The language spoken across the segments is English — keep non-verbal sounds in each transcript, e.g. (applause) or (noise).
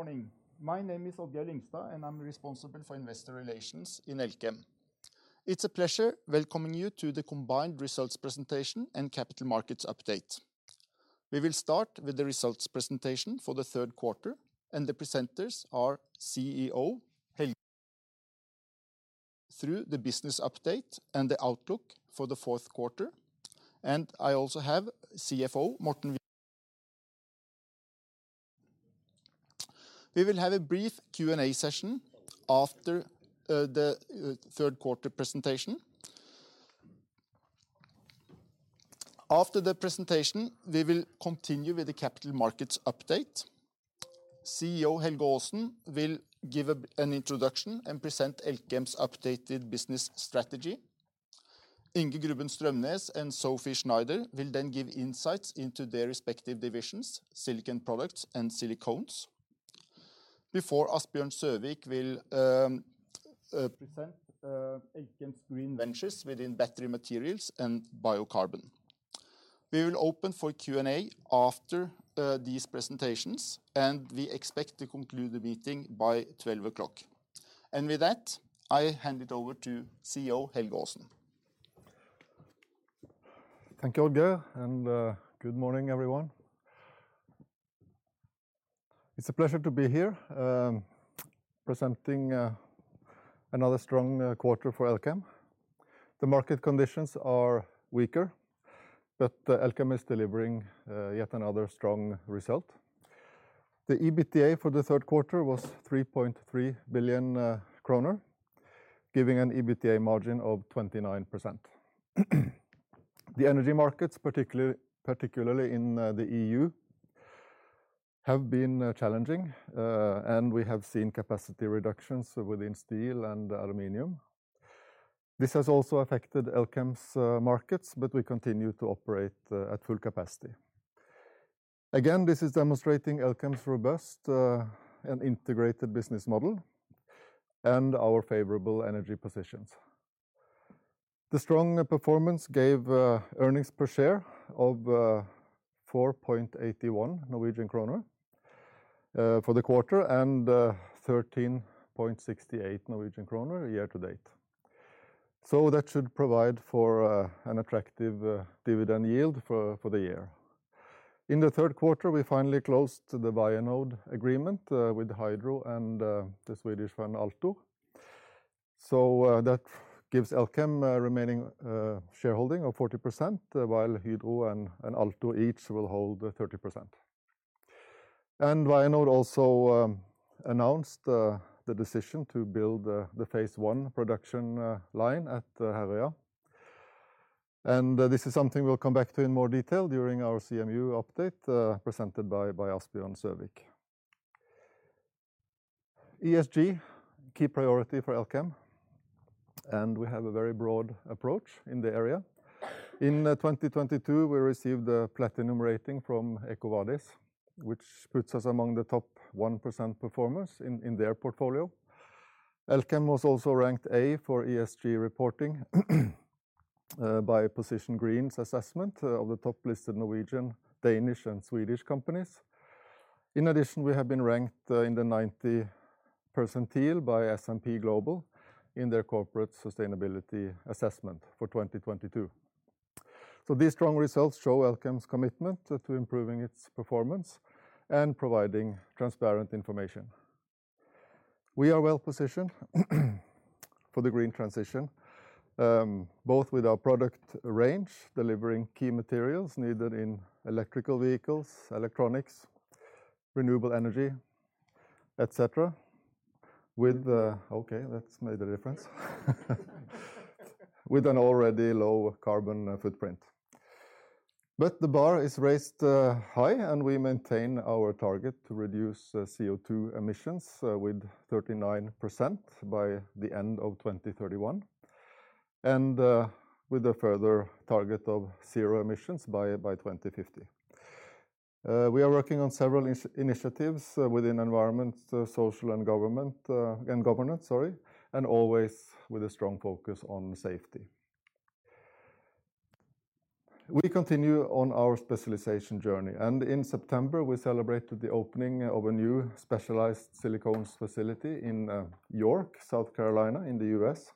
Good morning. My name is Odd-Geir Lyngstad, and I'm responsible for investor relations in Elkem. It's a pleasure welcoming you to the combined results presentation and capital markets update. We will start with the results presentation for the third quarter, and the presenters are CEO Helge Aasen. Through the business update and the outlook for the fourth quarter, and I also have CFO Morten Viga. We will have a brief Q&A session after the third quarter presentation. After the presentation, we will continue with the capital markets update. CEO Helge Aasen will give an introduction and present Elkem's updated business strategy. Inge Grubben-Strømnes and Sophie Schneider will then give insights into their respective divisions, Silicon Products and Silicones. Before Asbjørn Søvik will present Elkem's green ventures within battery materials and biocarbon. We will open for Q&A after these presentations, and we expect to conclude the meeting by 12:00 P.M. With that, I hand it over to CEO Helge Aasen. Thank you, Odd-Geir, and good morning, everyone. It's a pleasure to be here, presenting another strong quarter for Elkem. The market conditions are weaker, but Elkem is delivering yet another strong result. The EBITDA for the third quarter was 3.3 billion kroner, giving an EBITDA margin of 29%. The energy markets, particularly in the E.U., have been challenging, and we have seen capacity reductions within steel and aluminum. This has also affected Elkem's markets, but we continue to operate at full capacity. Again, this is demonstrating Elkem's robust and integrated business model and our favorable energy positions. The strong performance gave earnings per share of 4.81 Norwegian kroner for the quarter and 13.68 Norwegian kroner year to date. That should provide for an attractive dividend yield for the year. In the third quarter, we finally closed the Vianode agreement with Hydro and the Swedish one, Altor. That gives Elkem a remaining shareholding of 40%, while Hydro and Altor each will hold 30%. Vianode also announced the decision to build the phase one production line at Herøya. This is something we'll come back to in more detail during our CMU update presented by Asbjørn Søvik. ESG, key priority for Elkem, and we have a very broad approach in the area. In 2022 we received a platinum rating from EcoVadis, which puts us among the top 1% performers in their portfolio. Elkem was also ranked A for ESG reporting by Position Green’s assessment of the top listed Norwegian, Danish and Swedish companies. In addition, we have been ranked in the 90th percentile by S&P Global in their corporate sustainability assessment for 2022. These strong results show Elkem's commitment to improving its performance and providing transparent information. We are well-positioned for the green transition, both with our product range, delivering key materials needed in electric vehicles, electronics, renewable energy, etc. With an already low carbon footprint. The bar is raised high, and we maintain our target to reduce CO₂ emissions with 39% by the end of 2031, and with a further target of zero emissions by 2050. We are working on several initiatives within environmental, social, and governance, and always with a strong focus on safety. We continue on our specialization journey, and in September we celebrated the opening of a new specialized silicones facility in York, South Carolina in the U.S.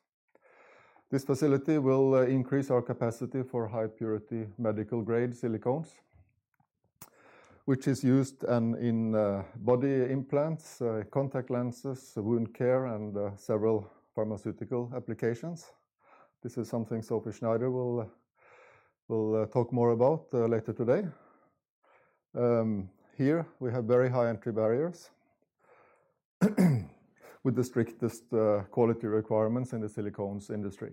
This facility will increase our capacity for high purity medical grade silicones, which is used in body implants, contact lenses, wound care and several pharmaceutical applications. This is something Sophie Schneider will talk more about later today. Here we have very high entry barriers with the strictest quality requirements in the silicones industry.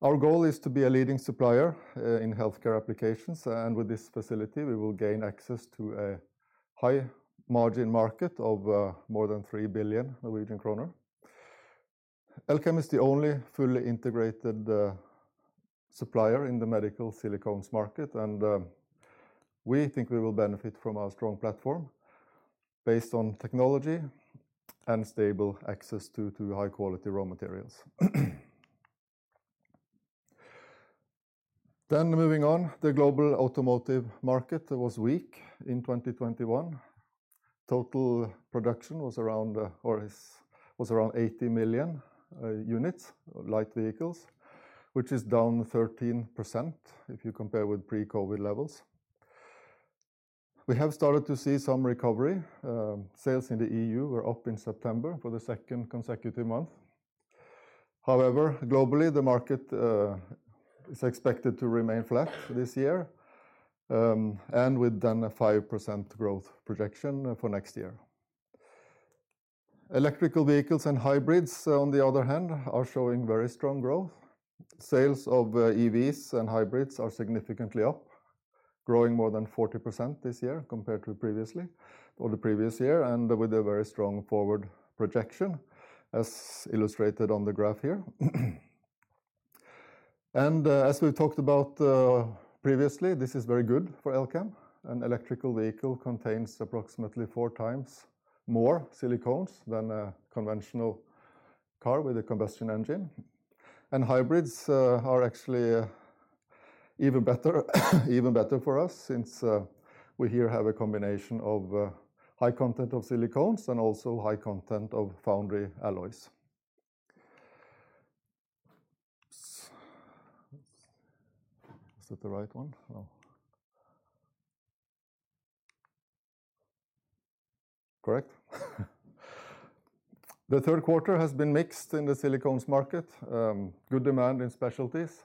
Our goal is to be a leading supplier in healthcare applications, and with this facility we will gain access to a high margin market of more than 3 billion Norwegian kroner. Elkem is the only fully integrated supplier in the medical silicones market, and we think we will benefit from our strong platform based on technology and stable access to high quality raw materials. Moving on, the global automotive market was weak in 2021. Total production was around 80 million units of light vehicles, which is down 13% if you compare with pre-COVID levels. We have started to see some recovery. Sales in the E.U. Were up in September for the second consecutive month. However, globally, the market is expected to remain flat this year, and with then a 5% growth projection for next year. Electric vehicles and hybrids, on the other hand, are showing very strong growth. Sales of EVs and hybrids are significantly up, growing more than 40% this year compared to previously or the previous year, and with a very strong forward projection, as illustrated on the graph here. As we talked about previously, this is very good for Elkem. An electric vehicle contains approximately four times more silicones than a conventional car with a combustion engine. Hybrids are actually even better for us since we here have a combination of high content of silicones and also high content of foundry alloys. Is it the right one? Oh. Correct. The third quarter has been mixed in the silicones market. Good demand in specialties,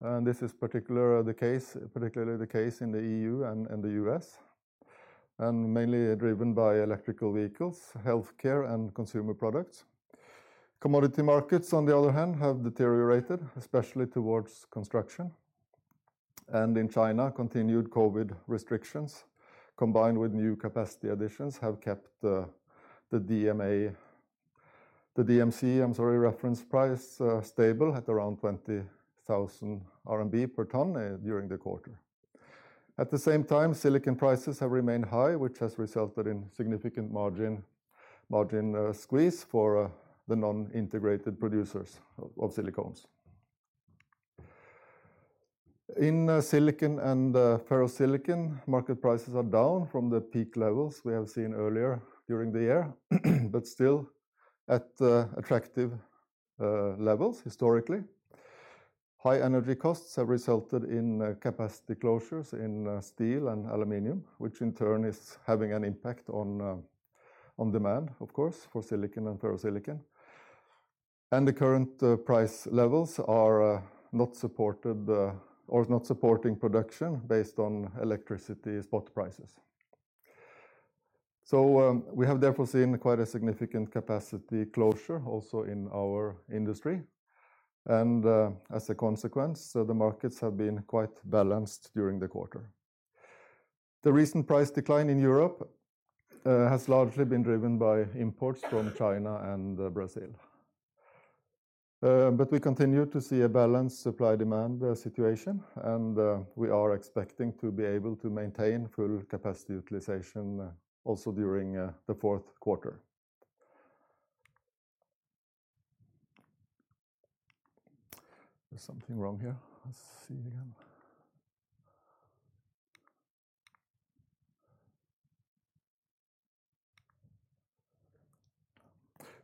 and this is particularly the case in the E.U. and the U.S., and mainly driven by electric vehicles, healthcare and consumer products. Commodity markets, on the other hand, have deteriorated, especially towards construction. In China, continued COVID restrictions, combined with new capacity additions, have kept the DMC reference price stable at around 20,000 RMB per ton during the quarter. At the same time, silicon prices have remained high, which has resulted in significant margin squeeze for the non-integrated producers of silicones. In silicon and ferrosilicon, market prices are down from the peak levels we have seen earlier during the year, but still at attractive levels historically. High energy costs have resulted in capacity closures in steel and aluminum, which in turn is having an impact on demand, of course, for silicon and ferrosilicon. The current price levels are not supported or is not supporting production based on electricity spot prices. We have therefore seen quite a significant capacity closure also in our industry. As a consequence, the markets have been quite balanced during the quarter. The recent price decline in Europe has largely been driven by imports from China and Brazil. We continue to see a balanced supply-demand situation, and we are expecting to be able to maintain full capacity utilization also during the fourth quarter.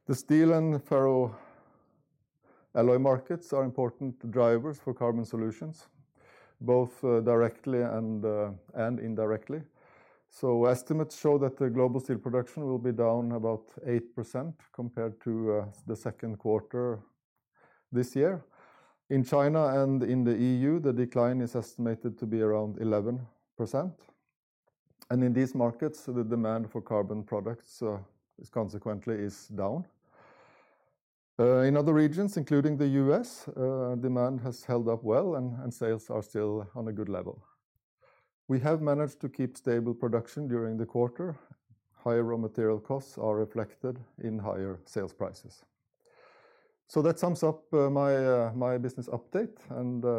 The steel and ferroalloy markets are important drivers for Carbon Solutions, both directly and indirectly. Estimates show that the global steel production will be down about 8% compared to the second quarter this year. In China and in the E.U., the decline is estimated to be around 11%. In these markets, the demand for carbon products is consequently down. In other regions, including the U.S., demand has held up well and sales are still on a good level. We have managed to keep stable production during the quarter. Higher raw material costs are reflected in higher sales prices. That sums up my business update.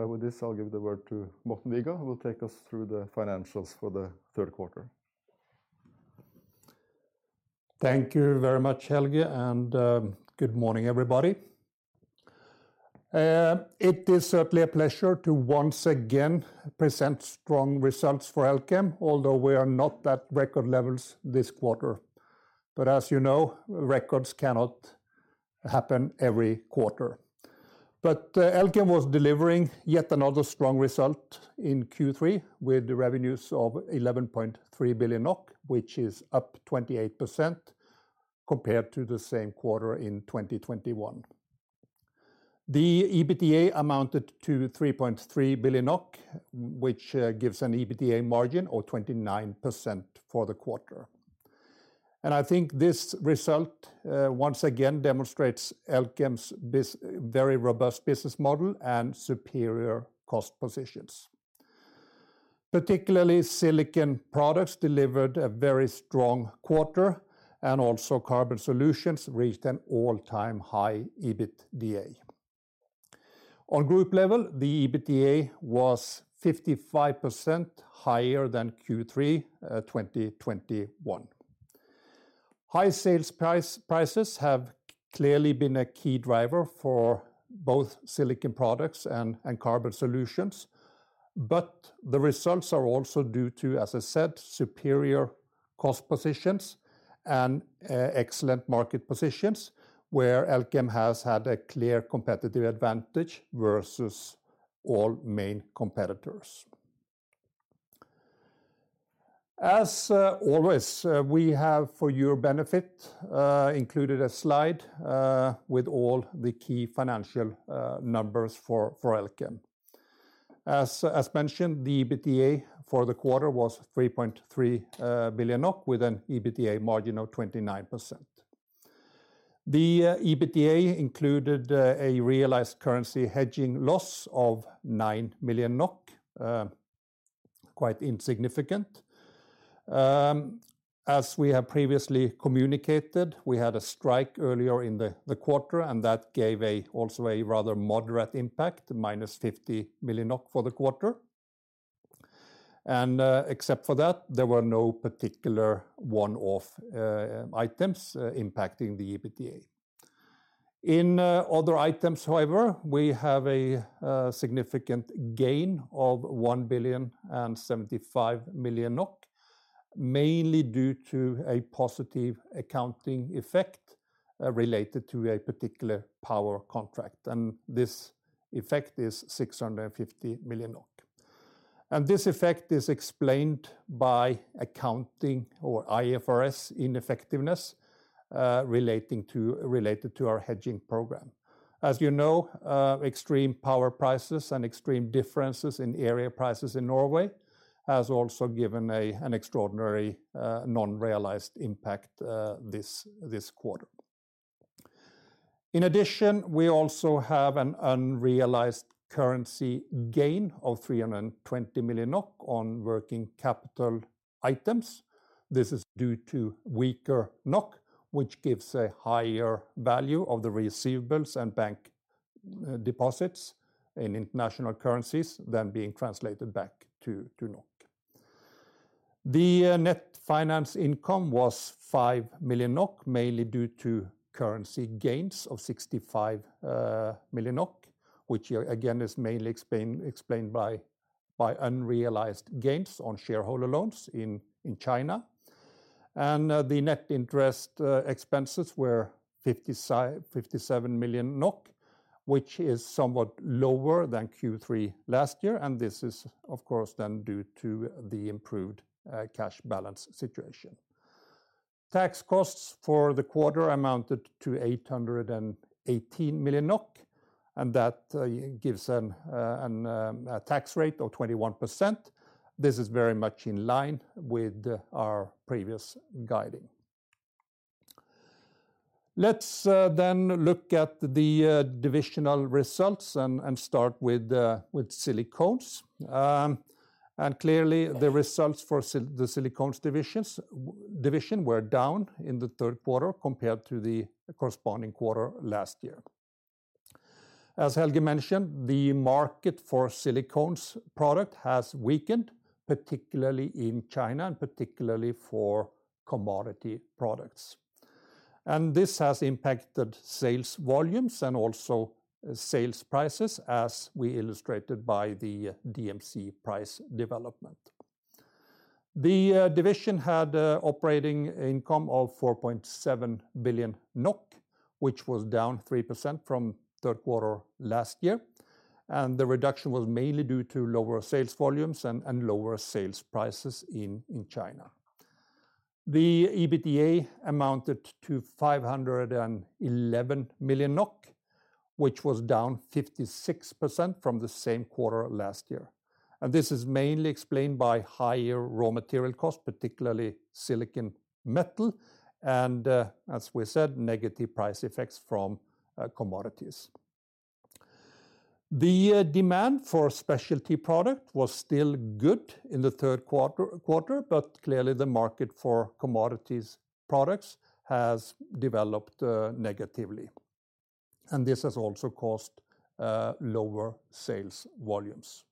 With this, I'll give the word to Morten Viga, who will take us through the financials for the third quarter. Thank you very much, Helge, and good morning, everybody. It is certainly a pleasure to once again present strong results for Elkem, although we are not at record levels this quarter. As you know, records cannot happen every quarter. Elkem was delivering yet another strong result in Q3 with revenues of 11.3 billion NOK, which is up 28% compared to the same quarter in 2021. The EBITDA amounted to 3.3 billion, which gives an EBITDA margin of 29% for the quarter. I think this result once again demonstrates Elkem's very robust business model and superior cost positions. Particularly Silicon Products delivered a very strong quarter, and also Carbon Solutions reached an all-time high EBITDA. On group level, the EBITDA was 55% higher than Q3 2021. High sales prices have clearly been a key driver for both Silicon Products and Carbon Solutions. The results are also due to, as I said, superior cost positions and excellent market positions, where Elkem has had a clear competitive advantage versus all main competitors. As always, we have, for your benefit, included a slide with all the key financial numbers for Elkem. As mentioned, the EBITDA for the quarter was 3.3 billion NOK with an EBITDA margin of 29%. The EBITDA included a realized currency hedging loss of 9 million NOK, quite insignificant. As we have previously communicated, we had a strike earlier in the quarter, and that also gave a rather moderate impact, -50 million NOK for the quarter. Except for that, there were no particular one-off items impacting the EBITDA. In other items, however, we have a significant gain of 1,075 million NOK, mainly due to a positive accounting effect related to a particular power contract, and this effect is 650 million NOK. This effect is explained by accounting or IFRS ineffectiveness relating to our hedging program. As you know, extreme power prices and extreme differences in area prices in Norway has also given an extraordinary unrealized impact this quarter. In addition, we also have an unrealized currency gain of 320 million NOK on working capital items. This is due to weaker NOK, which gives a higher value of the receivables and bank deposits in international currencies than being translated back to NOK. The net finance income was 5 million NOK, mainly due to currency gains of 65 million NOK, which here again is mainly explained by unrealized gains on shareholder loans in China. The net interest expenses were 57 million NOK, which is somewhat lower than Q3 last year, and this is, of course, then due to the improved cash balance situation. Tax costs for the quarter amounted to 818 million NOK, and that gives a tax rate of 21%. This is very much in line with our previous guidance. Let's then look at the divisional results and start with silicones. Clearly, the results for the silicones division were down in the third quarter compared to the corresponding quarter last year. As Helge Aasen mentioned, the market for silicones products has weakened, particularly in China, and particularly for commodity products. This has impacted sales volumes and also sales prices as we illustrated by the DMC price development. The division had operating income of 4.7 billion NOK, which was down 3% from third quarter last year, and the reduction was mainly due to lower sales volumes and lower sales prices in China. The EBITDA amounted to 511 million NOK, which was down 56% from the same quarter last year. This is mainly explained by higher raw material costs, particularly silicon metal, and, as we said, negative price effects from commodities. The demand for specialty product was still good in the third quarter, but clearly the market for commodities products has developed negatively, and this has also caused lower sales volumes.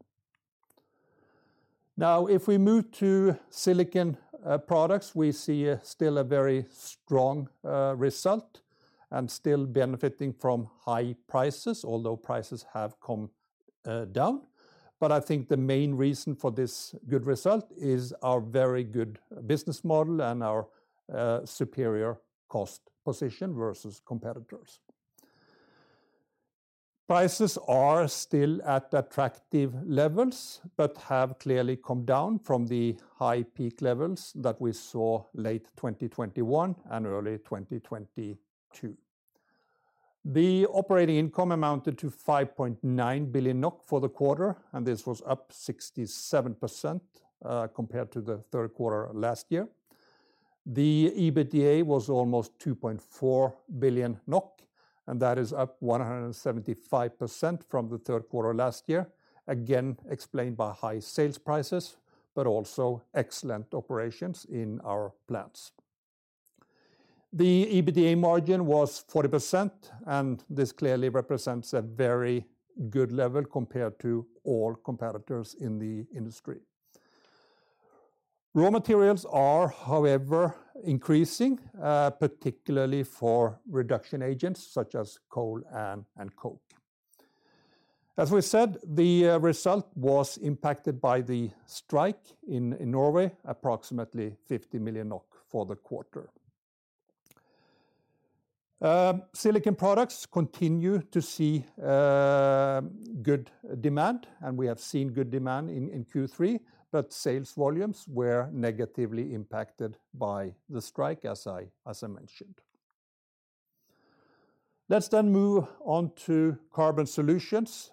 Now, if we move to Silicon Products, we see still a very strong result, and still benefiting from high prices, although prices have come down. I think the main reason for this good result is our very good business model and our superior cost position versus competitors. Prices are still at attractive levels, but have clearly come down from the high peak levels that we saw late 2021 and early 2022. The operating income amounted to 5.9 billion NOK for the quarter, and this was up 67%, compared to the third quarter last year. The EBITDA was almost 2.4 billion NOK, and that is up 175% from the third quarter last year, again explained by high sales prices, but also excellent operations in our plants. The EBITDA margin was 40%, and this clearly represents a very good level compared to all competitors in the industry. Raw materials are, however, increasing, particularly for reduction agents such as coal and coke. As we said, the result was impacted by the strike in Norway, approximately 50 million NOK for the quarter. Silicon Products continue to see good demand, and we have seen good demand in Q3, but sales volumes were negatively impacted by the strike, as I mentioned. Let's move on to Carbon Solutions.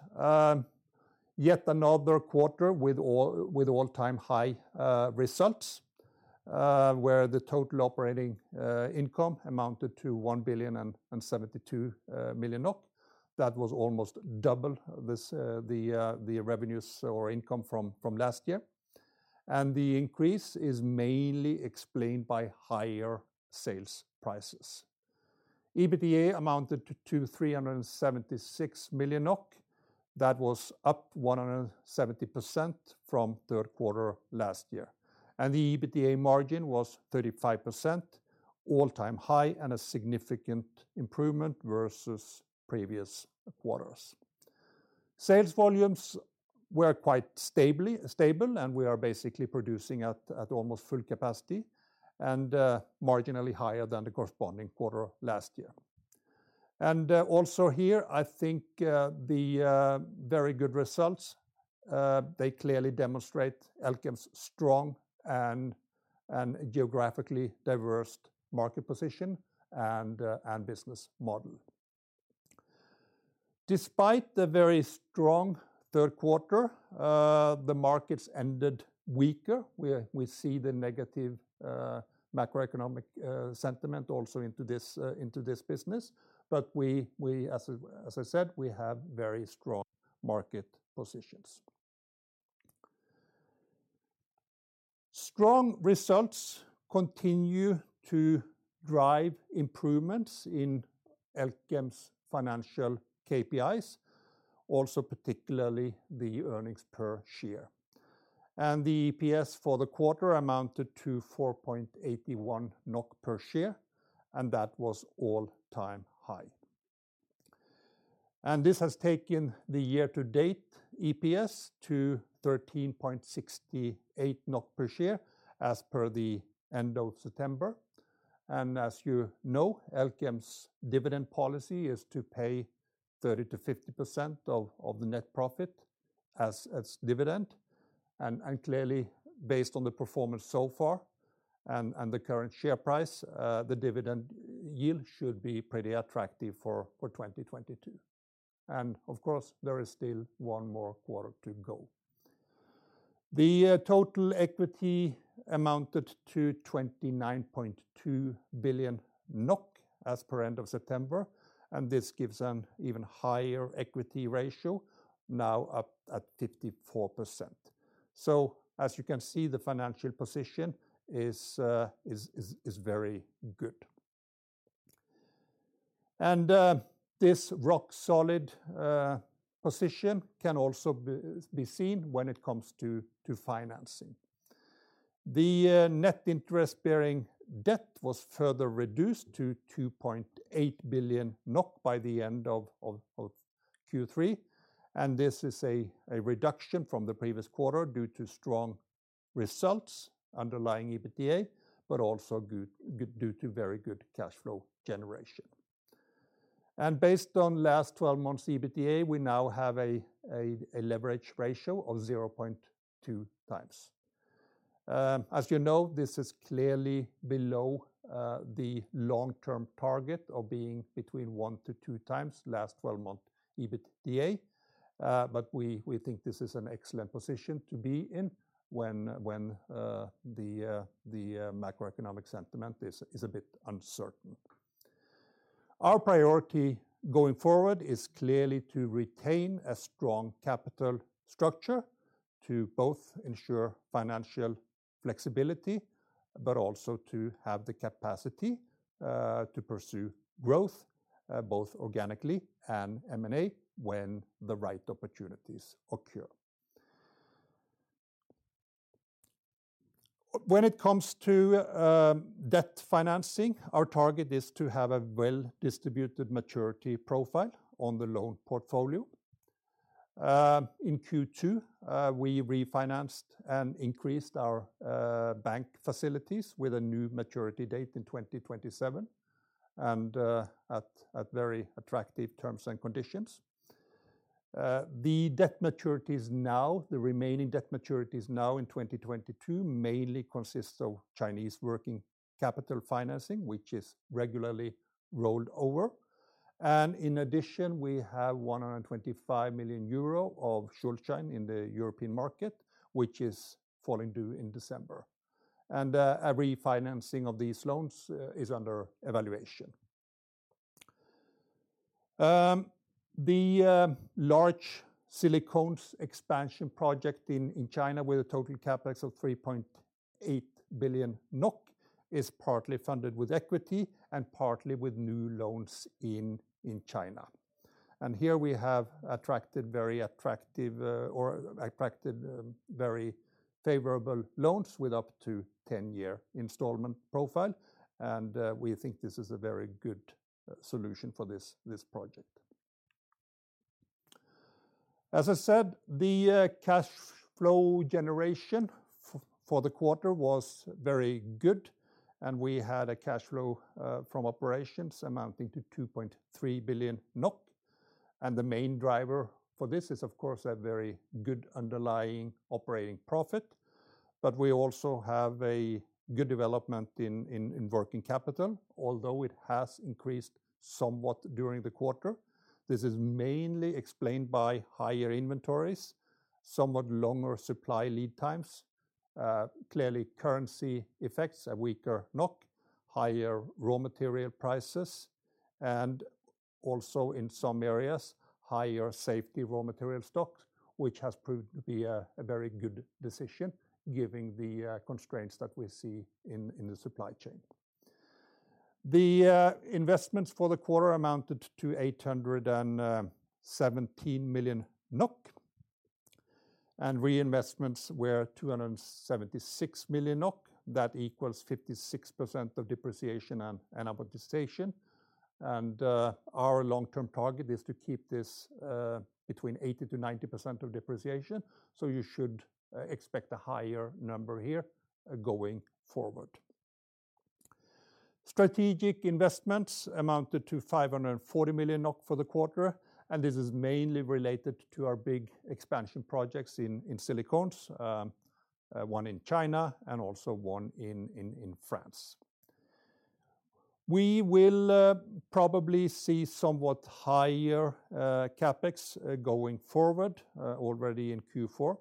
Yet another quarter with all-time high results, where the total operating income amounted to 1,072 million NOK. That was almost double the revenues or income from last year. The increase is mainly explained by higher sales prices. EBITDA amounted to 376 million NOK. That was up 170% from third quarter last year. The EBITDA margin was 35%, all-time high, and a significant improvement versus previous quarters. Sales volumes were quite stable, and we are basically producing at almost full capacity and marginally higher than the corresponding quarter last year. Also here, I think, the very good results they clearly demonstrate Elkem's strong and geographically diverse market position and business model. Despite the very strong third quarter, the markets ended weaker. We see the negative macroeconomic sentiment also into this business. We, as I said, we have very strong market positions. Strong results continue to drive improvements in Elkem's financial KPIs, also particularly the earnings per share. The EPS for the quarter amounted to 4.81 NOK per share, and that was all-time high. This has taken the year-to-date EPS to 13.68 per share as per the end of September. As you know, Elkem's dividend policy is to pay 30%-50% of the net profit as dividend. Clearly, based on the performance so far and the current share price, the dividend yield should be pretty attractive for 2022. Of course, there is still one more quarter to go. The total equity amounted to 29.2 billion NOK as per end of September, and this gives an even higher equity ratio, now up at 54%. As you can see, the financial position is very good. This rock-solid position can also be seen when it comes to financing. The net interest-bearing debt was further reduced to 2.8 billion NOK by the end of Q3, and this is a reduction from the previous quarter due to strong results underlying EBITDA, but also due to very good cash flow generation. Based on last 12 months EBITDA, we now have a leverage ratio of 0.2x. As you know, this is clearly below the long-term target of being between 1-2x last 12-month EBITDA, but we think this is an excellent position to be in when the macroeconomic sentiment is a bit uncertain. Our priority going forward is clearly to retain a strong capital structure to both ensure financial flexibility, but also to have the capacity to pursue growth both organically and M&A when the right opportunities occur. When it comes to debt financing, our target is to have a well-distributed maturity profile on the loan portfolio. In Q2, we refinanced and increased our bank facilities with a new maturity date in 2027 and at very attractive terms and conditions. The remaining debt maturities now in 2022 mainly consists of Chinese working capital financing, which is regularly rolled over. In addition, we have 125 million euro of Schuldschein in the European market, which is falling due in December. A refinancing of these loans is under evaluation. The large silicones expansion project in China with a total CapEx of 3.8 billion NOK is partly funded with equity and partly with new loans in China. Here we have attracted very favorable loans with up to 10-year installment profile, and we think this is a very good solution for this project. As I said, the cash flow generation for the quarter was very good, and we had a cash flow from operations amounting to 2.3 billion NOK. The main driver for this is, of course, a very good underlying operating profit. We also have a good development in working capital, although it has increased somewhat during the quarter. This is mainly explained by higher inventories, somewhat longer supply lead times, clearly currency effects, a weaker NOK, higher raw material prices, and also in some areas, higher safety raw material stocks, which has proved to be a very good decision given the constraints that we see in the supply chain. The investments for the quarter amounted to 817 million NOK, and reinvestments were 276 million NOK. That equals 56% of depreciation and amortization, and our long-term target is to keep this between 80%-90% of depreciation, so you should expect a higher number here going forward. Strategic investments amounted to 540 million for the quarter, and this is mainly related to our big expansion projects in silicones, one in China and also one in France. We will probably see somewhat higher CapEx going forward, already in Q4,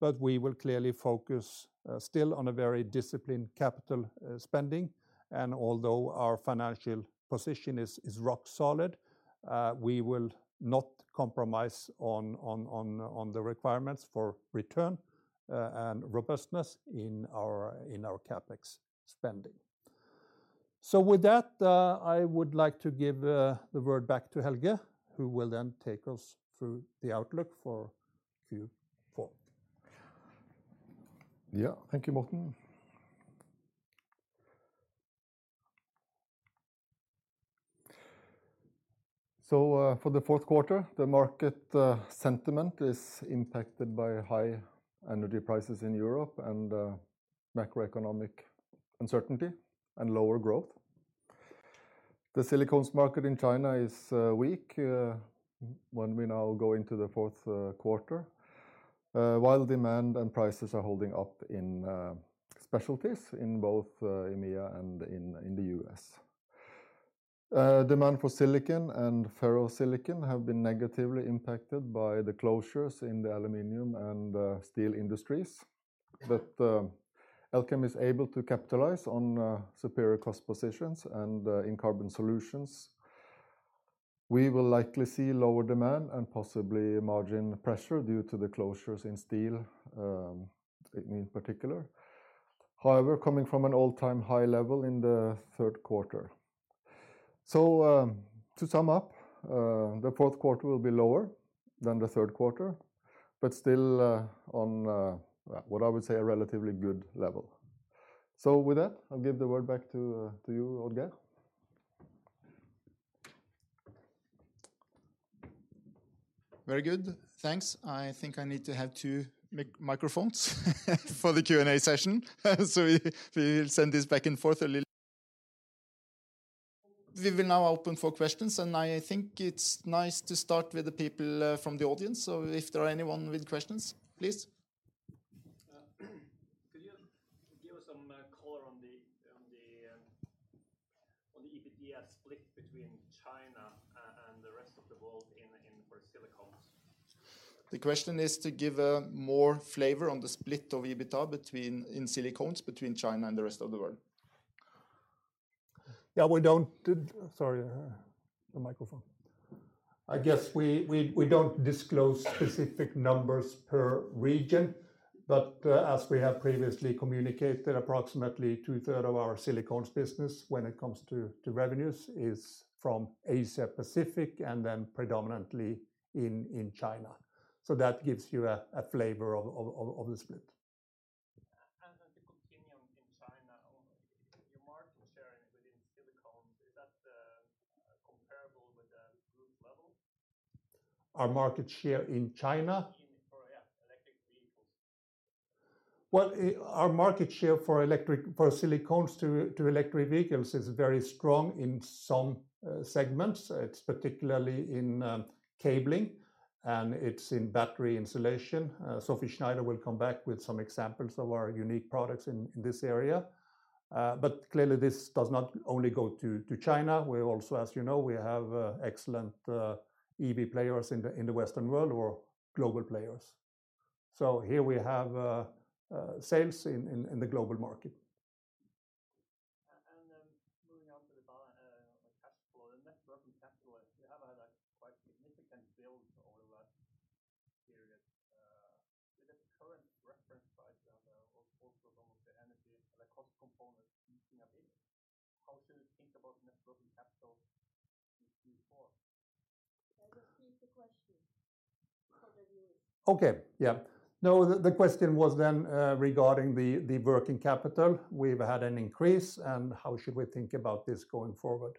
but we will clearly focus still on a very disciplined capital spending. Although our financial position is rock solid, we will not compromise on the requirements for return and robustness in our CapEx spending. With that, I would like to give the word back to Helge, who will then take us through the outlook for Q4. Yeah. Thank you, Morten. For the fourth quarter, the market sentiment is impacted by high energy prices in Europe and macroeconomic uncertainty and lower growth. The silicones market in China is weak when we now go into the fourth quarter while demand and prices are holding up in specialties in both EMEA and in the U.S. Demand for silicon and ferrosilicon have been negatively impacted by the closures in the aluminum and steel industries. Elkem is able to capitalize on superior cost positions and in Carbon Solutions. We will likely see lower demand and possibly margin pressure due to the closures in steel in particular. However, coming from an all-time high level in the third quarter. To sum up, the fourth quarter will be lower than the third quarter, but still on what I would say a relatively good level. With that, I'll give the word back to you, Odd-Geir. Very good. Thanks. I think I need to have two microphones for the Q&A session. We will send this back and forth a little. We will now open for questions, and I think it's nice to start with the people from the audience. If there are anyone with questions, please. Could you give some color on the EBITDA split between China and the rest of the world for Silicones? The question is to give more flavor on the split of EBITDA between, in Silicones, between China and the rest of the world. I guess we don't disclose specific numbers per region, but as we have previously communicated, approximately 2/3 of our silicones business when it comes to revenues is from Asia-Pacific and then predominantly in China. That gives you a flavor of the split. To continue in China, your market share within silicones, is that comparable with the group level? Our market share in China? In for, yeah, electric vehicles. Our market share for silicones to electric vehicles is very strong in some segments. It's particularly in cabling, and it's in battery insulation. Sophie Schneider will come back with some examples of our unique products in this area. Clearly this does not only go to China. We also, as you know, we have excellent EV players in the Western world or global players. Here we have sales in the global market. Moving on to the balance sheet or cash flow. The net working capital, you have had a quite significant. (audio distortion) How should we think about net working capital in Q4? Can you repeat the question for the viewers? Okay. Yeah. No, the question was then regarding the working capital. We've had an increase, and how should we think about this going forward?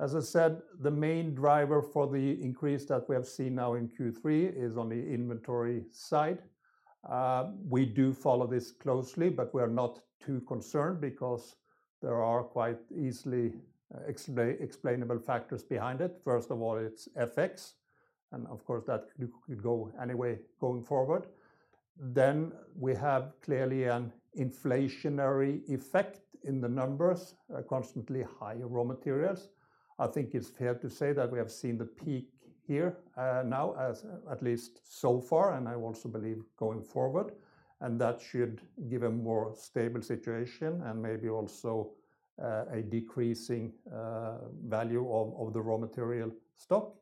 As I said, the main driver for the increase that we have seen now in Q3 is on the inventory side. We do follow this closely, but we're not too concerned because there are quite easily explainable factors behind it. First of all, it's FX, and of course, that could go any way going forward. Then we have clearly an inflationary effect in the numbers, constantly high raw materials. I think it's fair to say that we have seen the peak here now, at least so far, and I also believe going forward that should give a more stable situation and maybe also a decreasing value of the raw material stock.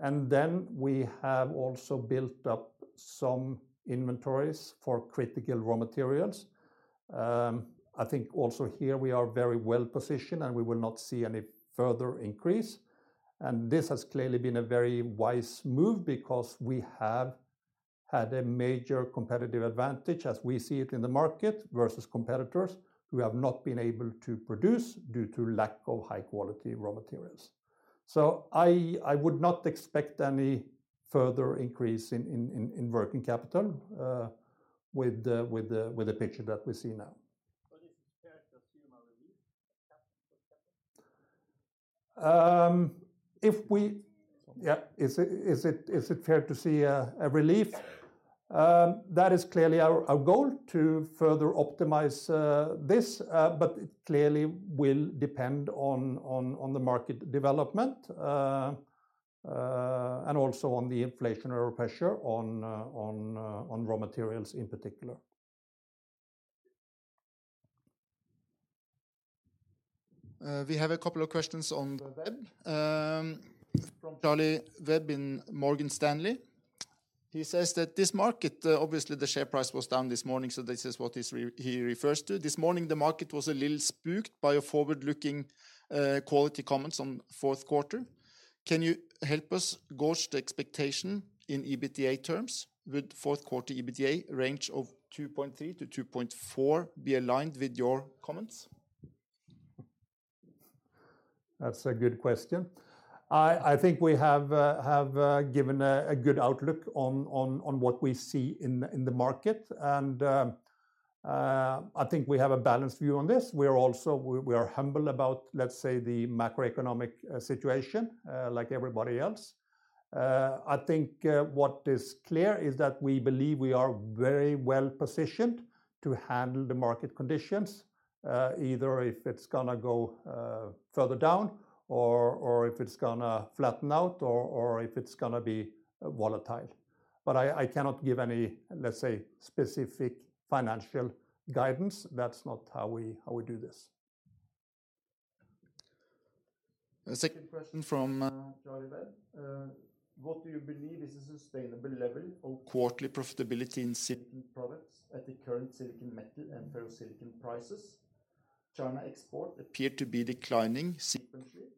We have also built up some inventories for critical raw materials. I think also here we are very well-positioned, and we will not see any further increase. This has clearly been a very wise move because we have had a major competitive advantage as we see it in the market versus competitors who have not been able to produce due to lack of high-quality raw materials. I would not expect any further increase in working capital with the picture that we see now. Is it fair to assume a relief for capital? Is it fair to see a relief? That is clearly our goal to further optimize this, but it clearly will depend on the market development and also on the inflationary pressure on raw materials in particular. We have a couple of questions on the web from Charlie Webb in Morgan Stanley. He says that this market obviously the share price was down this morning, so this is what he refers to. This morning the market was a little spooked by a forward-looking qualitative comments on fourth quarter. Can you help us gauge the expectation in EBITDA terms? Would fourth quarter EBITDA range of 2.3-2.4 be aligned with your comments? That's a good question. I think we have given a good outlook on what we see in the market, and I think we have a balanced view on this. We are also humble about, let's say, the macroeconomic situation, like everybody else. I think what is clear is that we believe we are very well-positioned to handle the market conditions, either if it's gonna go further down or if it's gonna flatten out or if it's gonna be volatile. I cannot give any, let's say, specific financial guidance. That's not how we do this. A second question from Charlie Webb. What do you believe is a sustainable level of quarterly profitability in Silicon Products at the current silicon metal and ferrosilicon prices? China exports appear to be declining sequentially.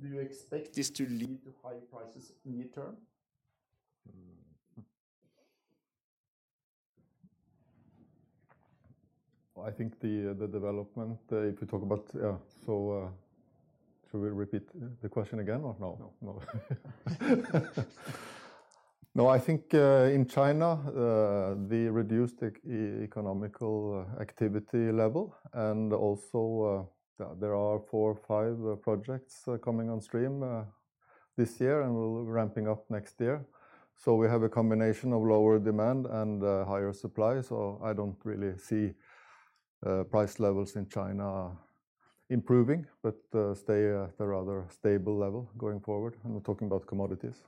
Do you expect this to lead to higher prices near-term? I think the development, if you talk about, yeah, so, should we repeat the question again or no? No. No. I think in China the reduced economical activity level and also there are four or five projects coming on stream this year and will ramping up next year. We have a combination of lower demand and higher supply, so I don't really see price levels in China improving, but stay at a rather stable level going forward, and we're talking about commodities.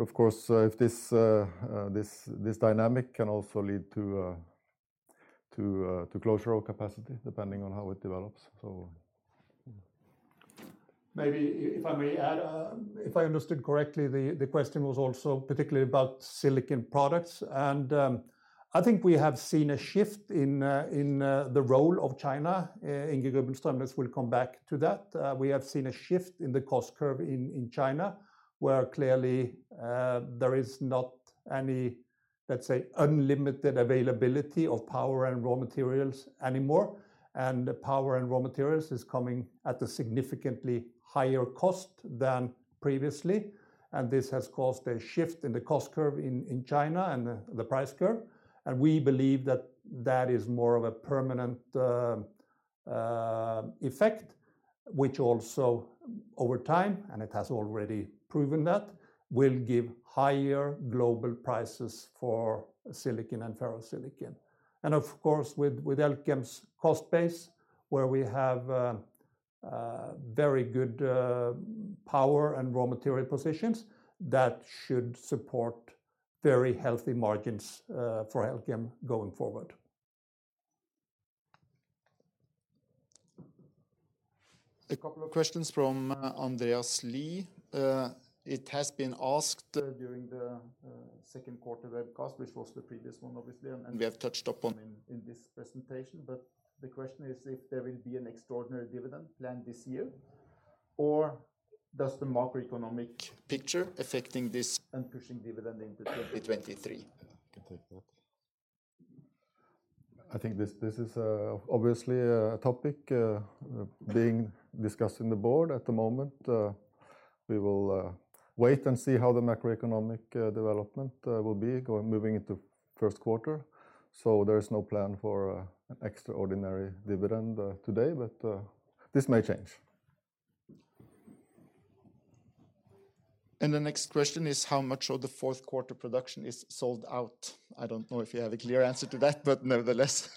Of course, if this dynamic can also lead to closure of capacity, depending on how it develops. Maybe if I may add, if I understood correctly, the question was also particularly about Silicon Products. I think we have seen a shift in the role of China in gigafactory standards. We'll come back to that. We have seen a shift in the cost curve in China, where clearly there is not any, let's say, unlimited availability of power and raw materials anymore. The power and raw materials is coming at a significantly higher cost than previously, and this has caused a shift in the cost curve in China and the price curve. We believe that is more of a permanent effect, which also over time, and it has already proven that, will give higher global prices for silicon and ferrosilicon. Of course, with Elkem's cost base, where we have very good power and raw material positions, that should support very healthy margins for Elkem going forward. A couple of questions from Andreas Lee. It has been asked during the second quarter webcast, which was the previous one obviously, and we have touched upon in this presentation. The question is if there will be an extraordinary dividend planned this year, or does the macroeconomic picture affecting this and pushing dividend into 2023? I can take that. I think this is obviously a topic being discussed in the board at the moment. We will wait and see how the macroeconomic development will be moving into first quarter. There's no plan for an extraordinary dividend today, but this may change. The next question is how much of the fourth quarter production is sold out? I don't know if you have a clear answer to that, but nevertheless.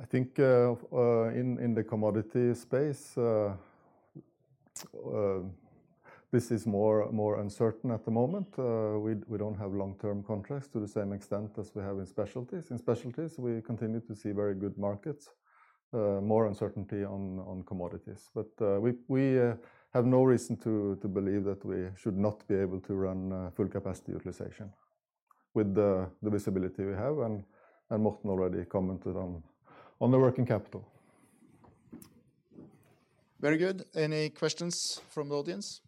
I think in the commodity space this is more uncertain at the moment. We don't have long-term contracts to the same extent as we have in specialties. In specialties, we continue to see very good markets, more uncertainty on commodities. We have no reason to believe that we should not be able to run full capacity utilization with the visibility we have, and Morten already commented on the working capital. Very good. Any questions from the audience?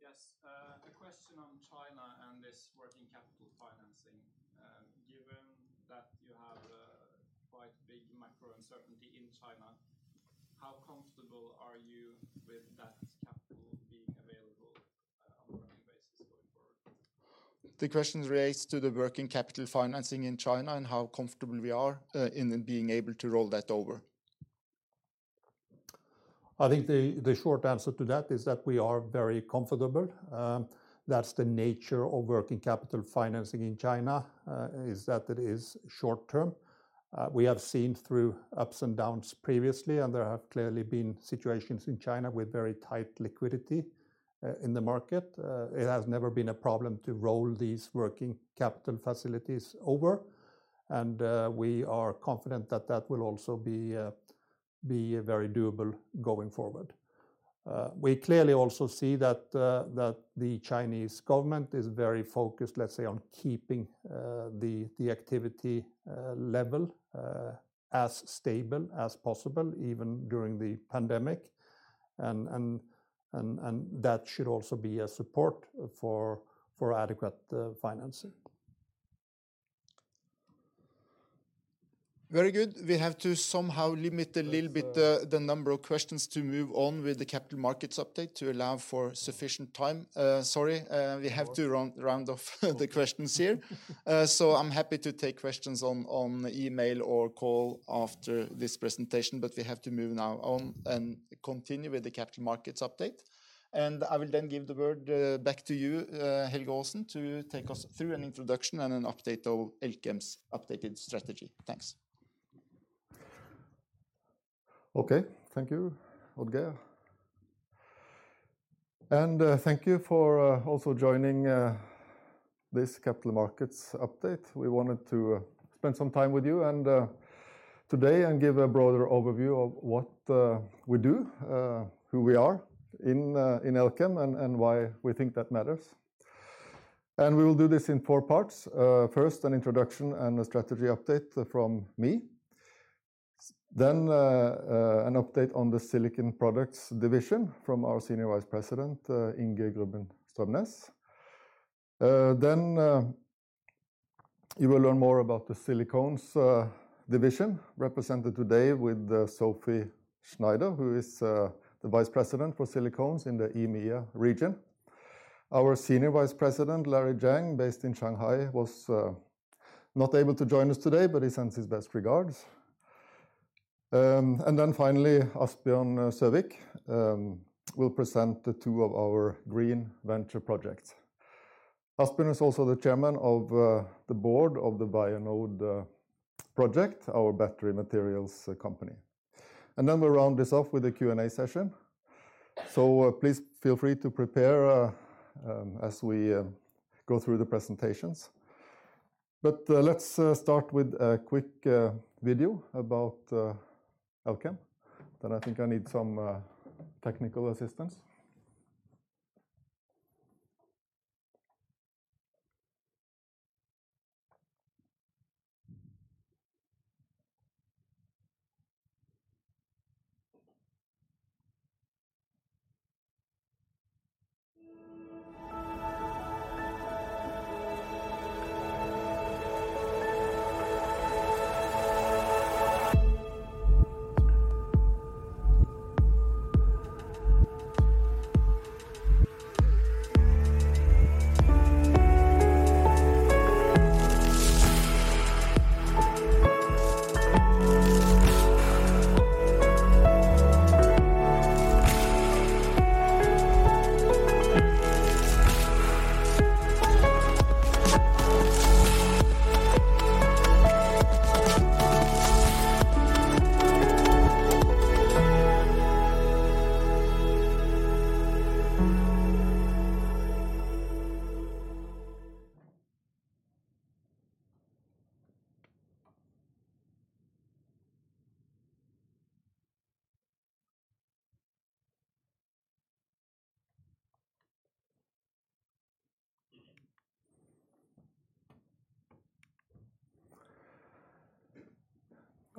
Yes. A question on China and this working capital financing. Given that you have quite big macro uncertainty in China, how comfortable are you with that capital being available on a working basis going forward? The question relates to the working capital financing in China and how comfortable we are in being able to roll that over. I think the short answer to that is that we are very comfortable. That's the nature of working capital financing in China is that it is short term. We have seen through ups and downs previously, and there have clearly been situations in China with very tight liquidity in the market. It has never been a problem to roll these working capital facilities over, and we are confident that that will also be very doable going forward. We clearly also see that the Chinese government is very focused, let's say, on keeping the activity level as stable as possible, even during the pandemic. That should also be a support for adequate financing. Very good. We have to somehow limit a little bit the number of questions to move on with the capital markets update to allow for sufficient time. Sorry, we have to round off the questions here. I'm happy to take questions on email or call after this presentation, but we have to move now on and continue with the capital markets update. I will then give the word back to you, Helge Aasen, to take us through an introduction and an update of Elkem's updated strategy. Thanks. Okay. Thank you, Odd-Geir. Thank you for also joining this capital markets update. We wanted to spend some time with you today and give a broader overview of what we do, who we are in Elkem, and why we think that matters. We will do this in four parts. First, an introduction and a strategy update from me. Then, an update on the Silicon Products division from our Senior Vice President, Inge Grubben-Strømnes. Then, you will learn more about the Silicones division represented today with Sophie Schneider, who is the Vice President for Silicones in the EMEA region. Our Senior Vice President, Larry Zhang, based in Shanghai, was not able to join us today, but he sends his best regards. Finally, Asbjørn Søvik will present the two of our green venture projects. Asbjørn is also the chairman of the board of the Vianode project, our battery materials company. We'll round this off with a Q&A session. Please feel free to prepare as we go through the presentations. Let's start with a quick video about Elkem. I think I need some technical assistance.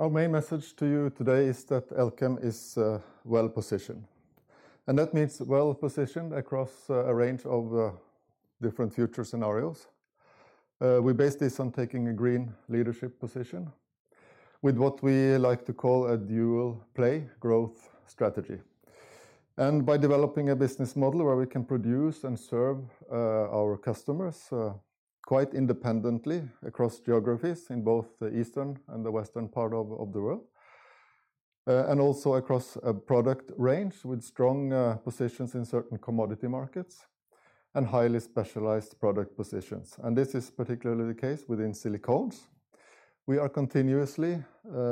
Our main message to you today is that Elkem is well-positioned, and that means well-positioned across a range of different future scenarios. We base this on taking a green leadership position with what we like to call a dual play growth strategy. By developing a business model where we can produce and serve our customers quite independently across geographies in both the eastern and the western part of the world. Also across a product range with strong positions in certain commodity markets and highly specialized product positions. This is particularly the case within silicones. We are continuously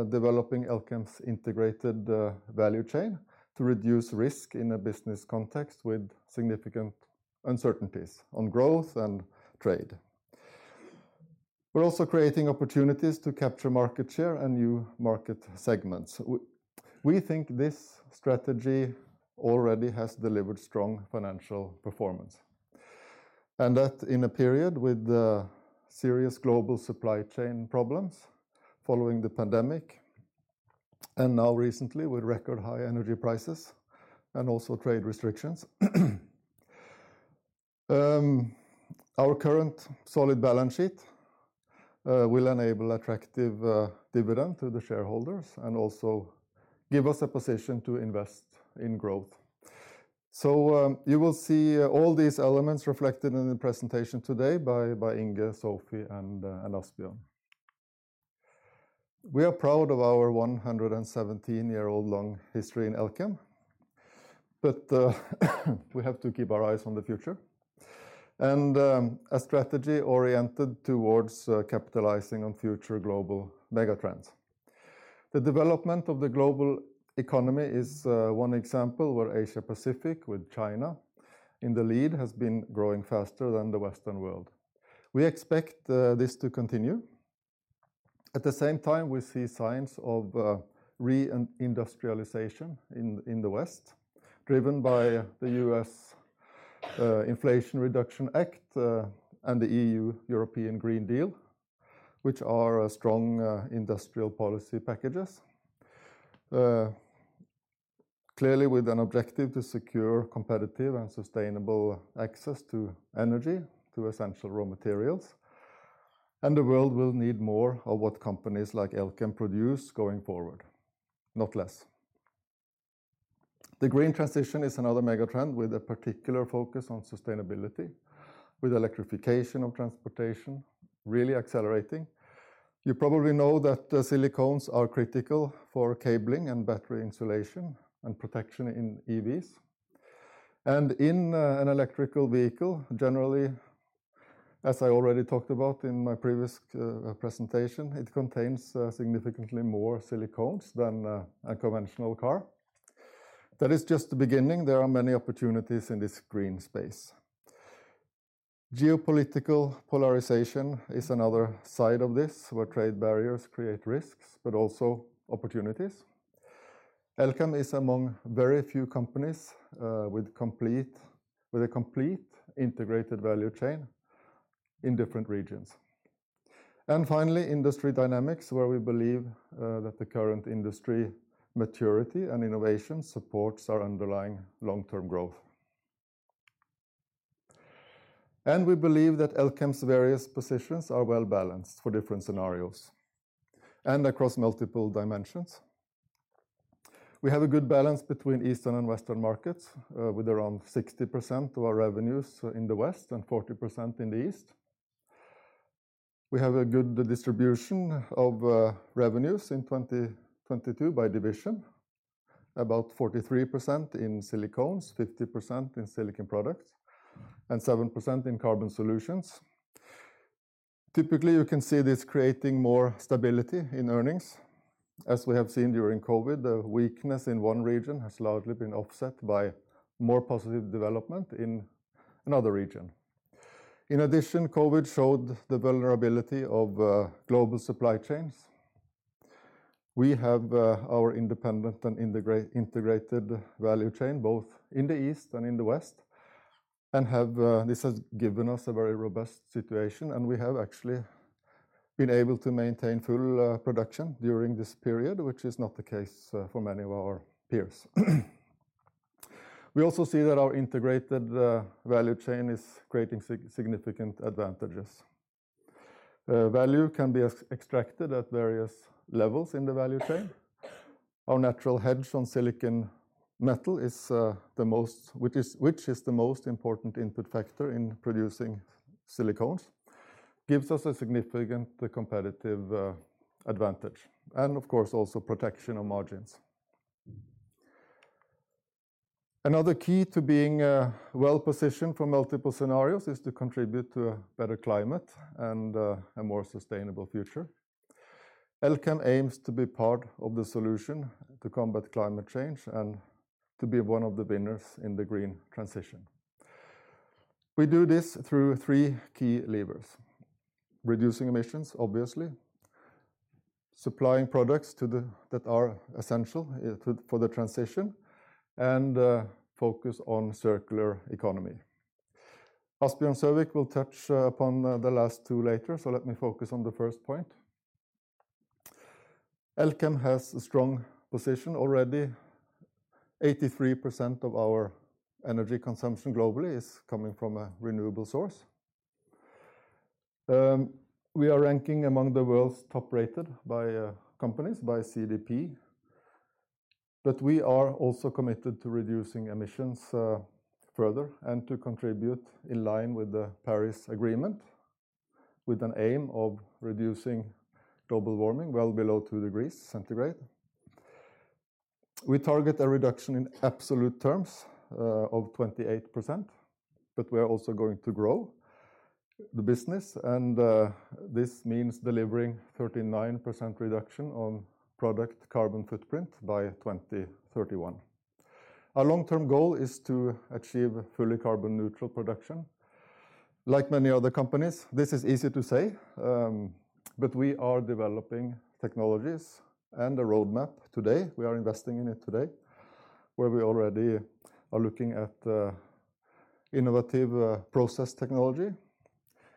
developing Elkem's integrated value chain to reduce risk in a business context with significant uncertainties on growth and trade. We're also creating opportunities to capture market share and new market segments. We think this strategy already has delivered strong financial performance, and that in a period with serious global supply chain problems following the pandemic and now recently with record high energy prices and also trade restrictions. Our current solid balance sheet will enable attractive dividend to the shareholders and also give us a position to invest in growth. You will see all these elements reflected in the presentation today by Inge, Sophie and Asbjørn. We are proud of our 117-year-old long history in Elkem, but we have to keep our eyes on the future and a strategy oriented towards capitalizing on future global megatrends. The development of the global economy is one example where Asia Pacific with China in the lead has been growing faster than the Western world. We expect this to continue. At the same time, we see signs of re-industrialization in the West, driven by the U.S. Inflation Reduction Act and the E.U. European Green Deal, which are strong industrial policy packages. Clearly with an objective to secure competitive and sustainable access to energy, to essential raw materials. The world will need more of what companies like Elkem produce going forward, not less. The green transition is another mega trend with a particular focus on sustainability, with electrification of transportation really accelerating. You probably know that silicones are critical for cabling and battery insulation and protection in EVs. In an electric vehicle, generally, as I already talked about in my previous presentation, it contains significantly more silicones than a conventional car. That is just the beginning. There are many opportunities in this green space. Geopolitical polarization is another side of this, where trade barriers create risks, but also opportunities. Elkem is among very few companies with a complete integrated value chain in different regions. Finally, industry dynamics, where we believe that the current industry maturity and innovation supports our underlying long-term growth. We believe that Elkem's various positions are well-balanced for different scenarios and across multiple dimensions. We have a good balance between Eastern and Western markets with around 60% of our revenues in the West and 40% in the East. We have a good distribution of revenues in 2022 by division. About 43% in silicones, 50% in Silicon Products, and 7% in Carbon Solutions. Typically, you can see this creating more stability in earnings. As we have seen during COVID, the weakness in one region has largely been offset by more positive development in another region. In addition, COVID showed the vulnerability of global supply chains. We have our independent and integrated value chain, both in the East and in the West, and this has given us a very robust situation, and we have actually been able to maintain full production during this period, which is not the case for many of our peers. We also see that our integrated value chain is creating significant advantages. Value can be extracted at various levels in the value chain. Our natural hedge on silicon metal is the most important input factor in producing silicones, gives us a significant competitive advantage and of course also protection of margins. Another key to being well-positioned for multiple scenarios is to contribute to a better climate and a more sustainable future. Elkem aims to be part of the solution to combat climate change and to be one of the winners in the green transition. We do this through three key levers: reducing emissions, obviously, supplying products that are essential for the transition and focus on circular economy. Asbjørn Søvik will touch upon the last two later, so let me focus on the first point. Elkem has a strong position already. 83% of our energy consumption globally is coming from a renewable source. We are ranking among the world's top-rated companies by CDP, but we are also committed to reducing emissions further and to contribute in line with the Paris Agreement, with an aim of reducing global warming well below two degrees centigrade. We target a reduction in absolute terms of 28%, but we are also going to grow the business and this means delivering 39% reduction on product carbon footprint by 2031. Our long-term goal is to achieve fully carbon neutral production. Like many other companies, this is easy to say, but we are developing technologies and a roadmap today. We are investing in it today, where we already are looking at innovative process technology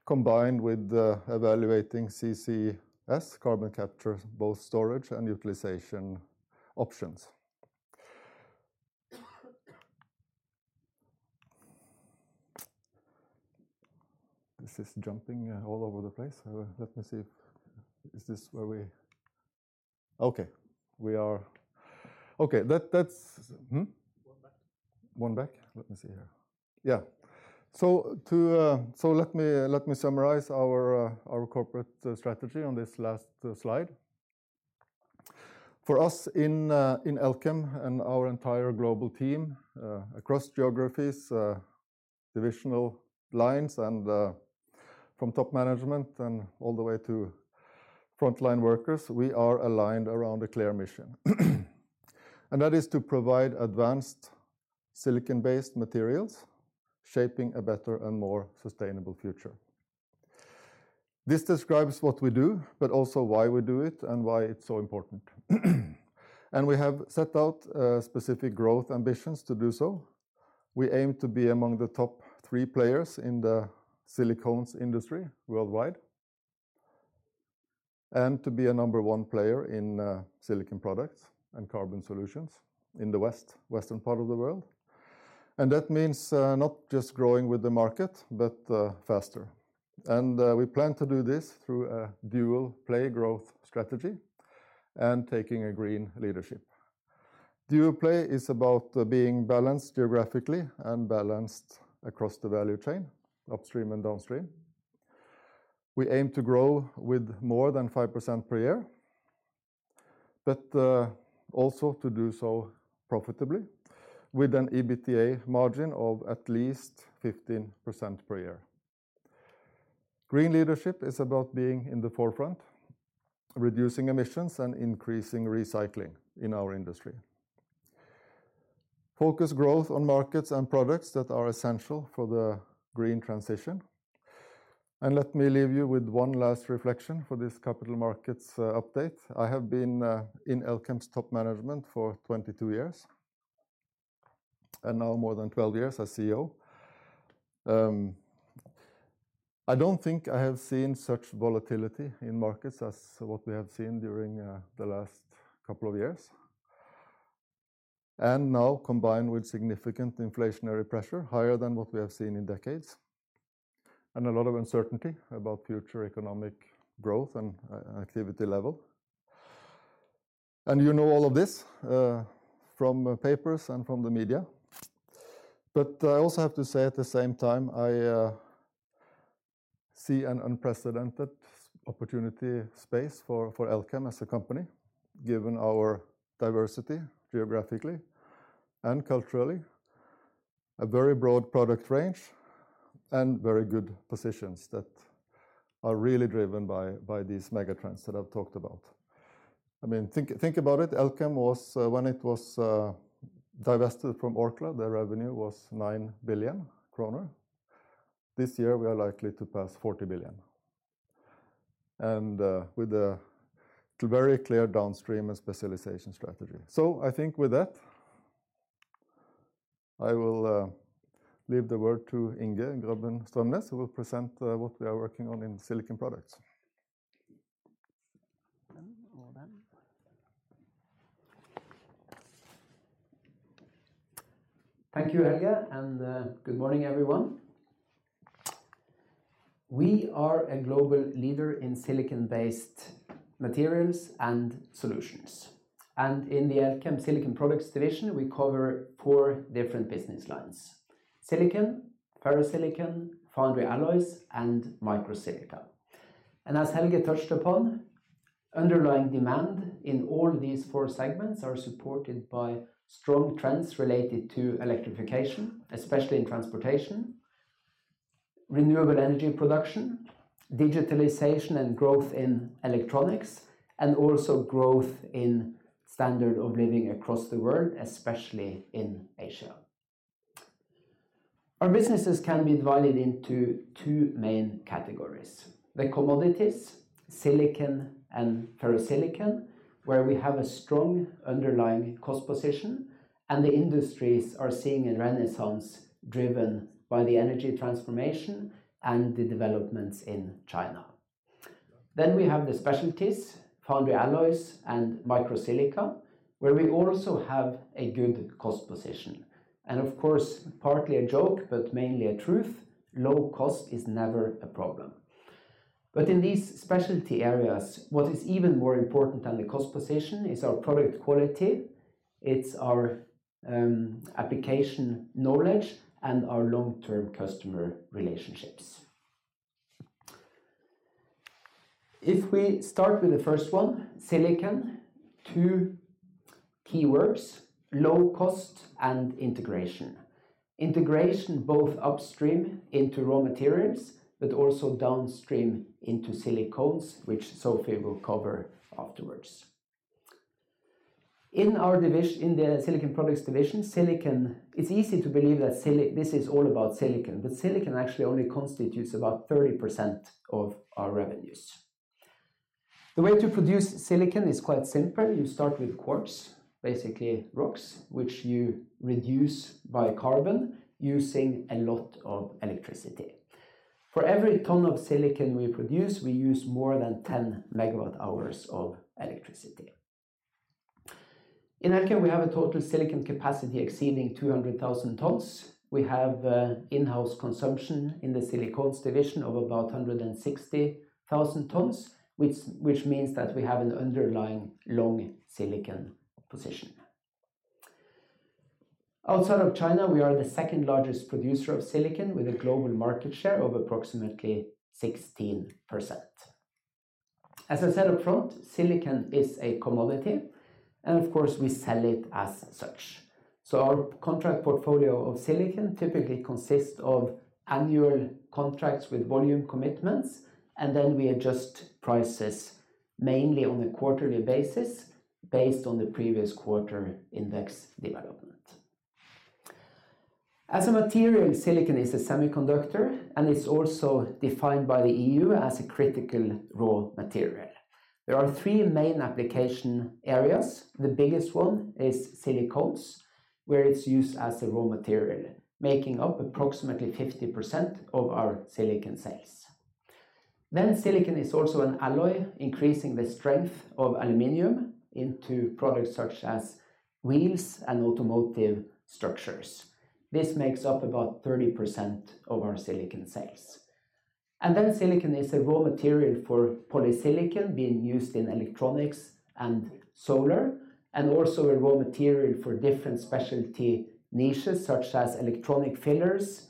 combined with evaluating CCS, carbon capture, both storage and utilization options. This is jumping all over the place. Let me see. Is this where we... Okay, we are... Okay. That, that's... Hmm? One back. One back? Let me see here. Yeah. Let me summarize our corporate strategy on this last slide. For us in Elkem and our entire global team across geographies, divisional lines and from top management and all the way to frontline workers, we are aligned around a clear mission. That is to provide advanced silicon-based materials, shaping a better and more sustainable future. This describes what we do, but also why we do it and why it's so important. We have set out specific growth ambitions to do so. We aim to be among the top three players in the silicones industry worldwide, and to be a number one player in silicon products and carbon solutions in the Western part of the world. That means not just growing with the market, but faster. We plan to do this through a dual play growth strategy and taking a green leadership. Dual play is about being balanced geographically and balanced across the value chain, upstream and downstream. We aim to grow with more than 5% per year, but also to do so profitably with an EBITDA margin of at least 15% per year. Green leadership is about being in the forefront, reducing emissions and increasing recycling in our industry. Focus growth on markets and products that are essential for the green transition. Let me leave you with one last reflection for this capital markets update. I have been in Elkem's top management for 22 years, and now more than 12 years as CEO. I don't think I have seen such volatility in markets as what we have seen during the last couple of years. Now combined with significant inflationary pressure, higher than what we have seen in decades, and a lot of uncertainty about future economic growth and activity level. You know all of this from papers and from the media. I also have to say at the same time, I see an unprecedented opportunity space for Elkem as a company, given our diversity geographically and culturally, a very broad product range and very good positions that are really driven by these megatrends that I've talked about. I mean, think about it. Elkem was, when it was divested from Orkla, their revenue was 9 billion kroner. This year, we are likely to pass 40 billion. With a very clear downstream and specialization strategy. I think with that, I will leave the word to Inge Grubben-Strømnes, who will present what we are working on in Silicon Products. Well done. Thank you, Helge, and good morning, everyone. We are a global leader in silicon-based materials and solutions. In the Elkem Silicon Products division, we cover four different business lines: silicon, ferrosilicon, foundry alloys, and microsilica. As Helge touched upon, underlying demand in all these four segments are supported by strong trends related to electrification, especially in transportation, renewable energy production, digitalization and growth in electronics, and also growth in standard of living across the world, especially in Asia. Our businesses can be divided into two main categories, the commodities, silicon and ferrosilicon, where we have a strong underlying cost position, and the industries are seeing a renaissance driven by the energy transformation and the developments in China. We have the specialties, foundry alloys and microsilica, where we also have a good cost position. Of course, partly a joke, but mainly a truth, low cost is never a problem. In these specialty areas, what is even more important than the cost position is our product quality, it's our, application knowledge and our long-term customer relationships. If we start with the first one, silicon, two keywords, low cost and integration. Integration both upstream into raw materials, but also downstream into silicones, which Sophie will cover afterwards. In the silicon products division, silicon, it's easy to believe that this is all about silicon, but silicon actually only constitutes about 30% of our revenues. The way to produce silicon is quite simple. You start with quartz, basically rocks, which you reduce by carbon using a lot of electricity. For every ton of silicon we produce, we use more than 10 MWh of electricity. In Elkem, we have a total silicon capacity exceeding 200,000 tons. We have, in-house consumption in the silicones division of about 160,000 tons, which means that we have an underlying long silicon position. Outside of China, we are the second largest producer of silicon with a global market share of approximately 16%. As I said up front, silicon is a commodity, and of course, we sell it as such. Our contract portfolio of silicon typically consists of annual contracts with volume commitments, and then we adjust prices mainly on a quarterly basis based on the previous quarter index development. As a material, silicon is a semiconductor, and it's also defined by the E.U. as a critical raw material. There are three main application areas. The biggest one is silicones, where it's used as a raw material, making up approximately 50% of our silicon sales. Silicon is also an alloy, increasing the strength of aluminum into products such as wheels and automotive structures. This makes up about 30% of our silicon sales. Silicon is a raw material for polysilicon being used in electronics and solar, and also a raw material for different specialty niches such as electronic fillers,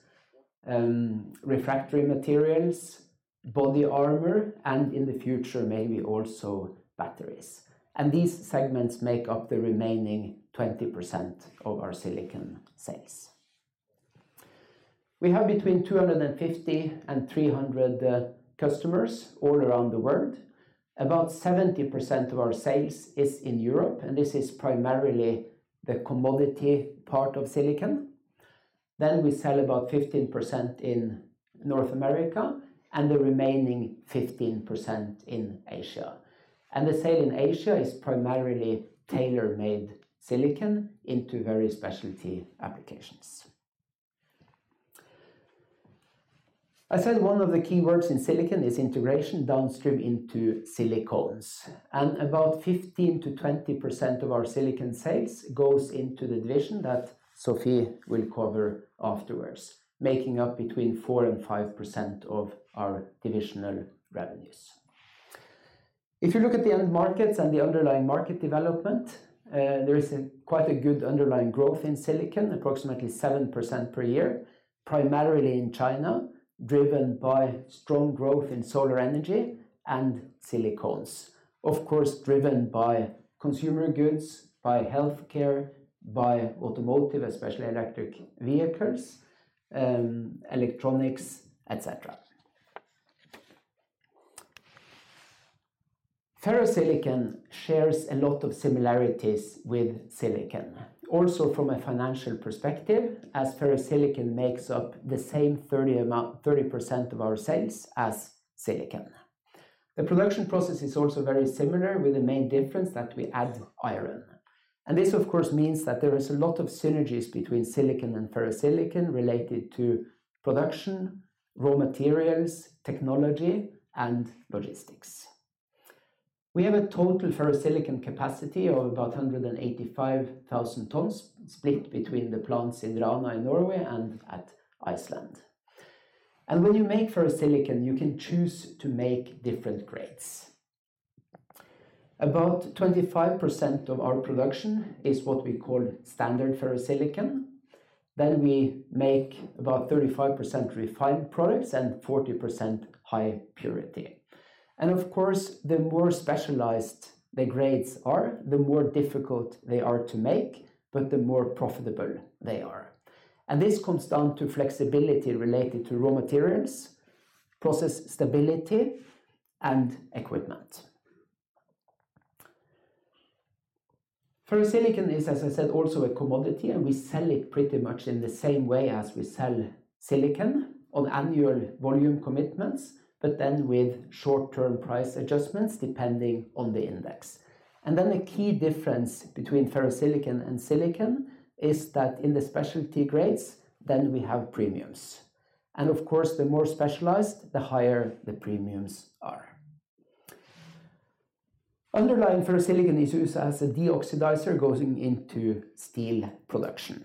refractory materials, body armor, and in the future, maybe also batteries. These segments make up the remaining 20% of our silicon sales. We have between 250 and 300 customers all around the world. About 70% of our sales is in Europe, and this is primarily the commodity part of silicon. We sell about 15% in North America, and the remaining 15% in Asia. The sale in Asia is primarily tailor-made silicon into very specialty applications. I said one of the key words in silicon is integration downstream into silicones, and about 15%-20% of our silicon sales goes into the division that Sophie will cover afterwards, making up between 4% and 5% of our divisional revenues. If you look at the end markets and the underlying market development, there is quite a good underlying growth in silicon, approximately 7% per year, primarily in China, driven by strong growth in solar energy and silicones. Of course, driven by consumer goods, by healthcare, by automotive, especially electric vehicles, electronics, etc. Ferrosilicon shares a lot of similarities with silicon, also from a financial perspective, as ferrosilicon makes up the same 30% of our sales as silicon. The production process is also very similar with the main difference that we add iron. This of course means that there is a lot of synergies between silicon and ferrosilicon related to production, raw materials, technology and logistics. We have a total ferrosilicon capacity of about 185,000 tons split between the plants in Rana, Norway and in Iceland. When you make ferrosilicon, you can choose to make different grades. About 25% of our production is what we call standard ferrosilicon. Then we make about 35% refined products and 40% high purity. Of course, the more specialized the grades are, the more difficult they are to make, but the more profitable they are. This comes down to flexibility related to raw materials, process stability and equipment. Ferrosilicon is, as I said, also a commodity, and we sell it pretty much in the same way as we sell silicon on annual volume commitments, but then with short-term price adjustments, depending on the index. The key difference between ferrosilicon and silicon is that in the specialty grades, then we have premiums. Of course, the more specialized, the higher the premiums are. Underlying ferrosilicon is used as a deoxidizer going into steel production.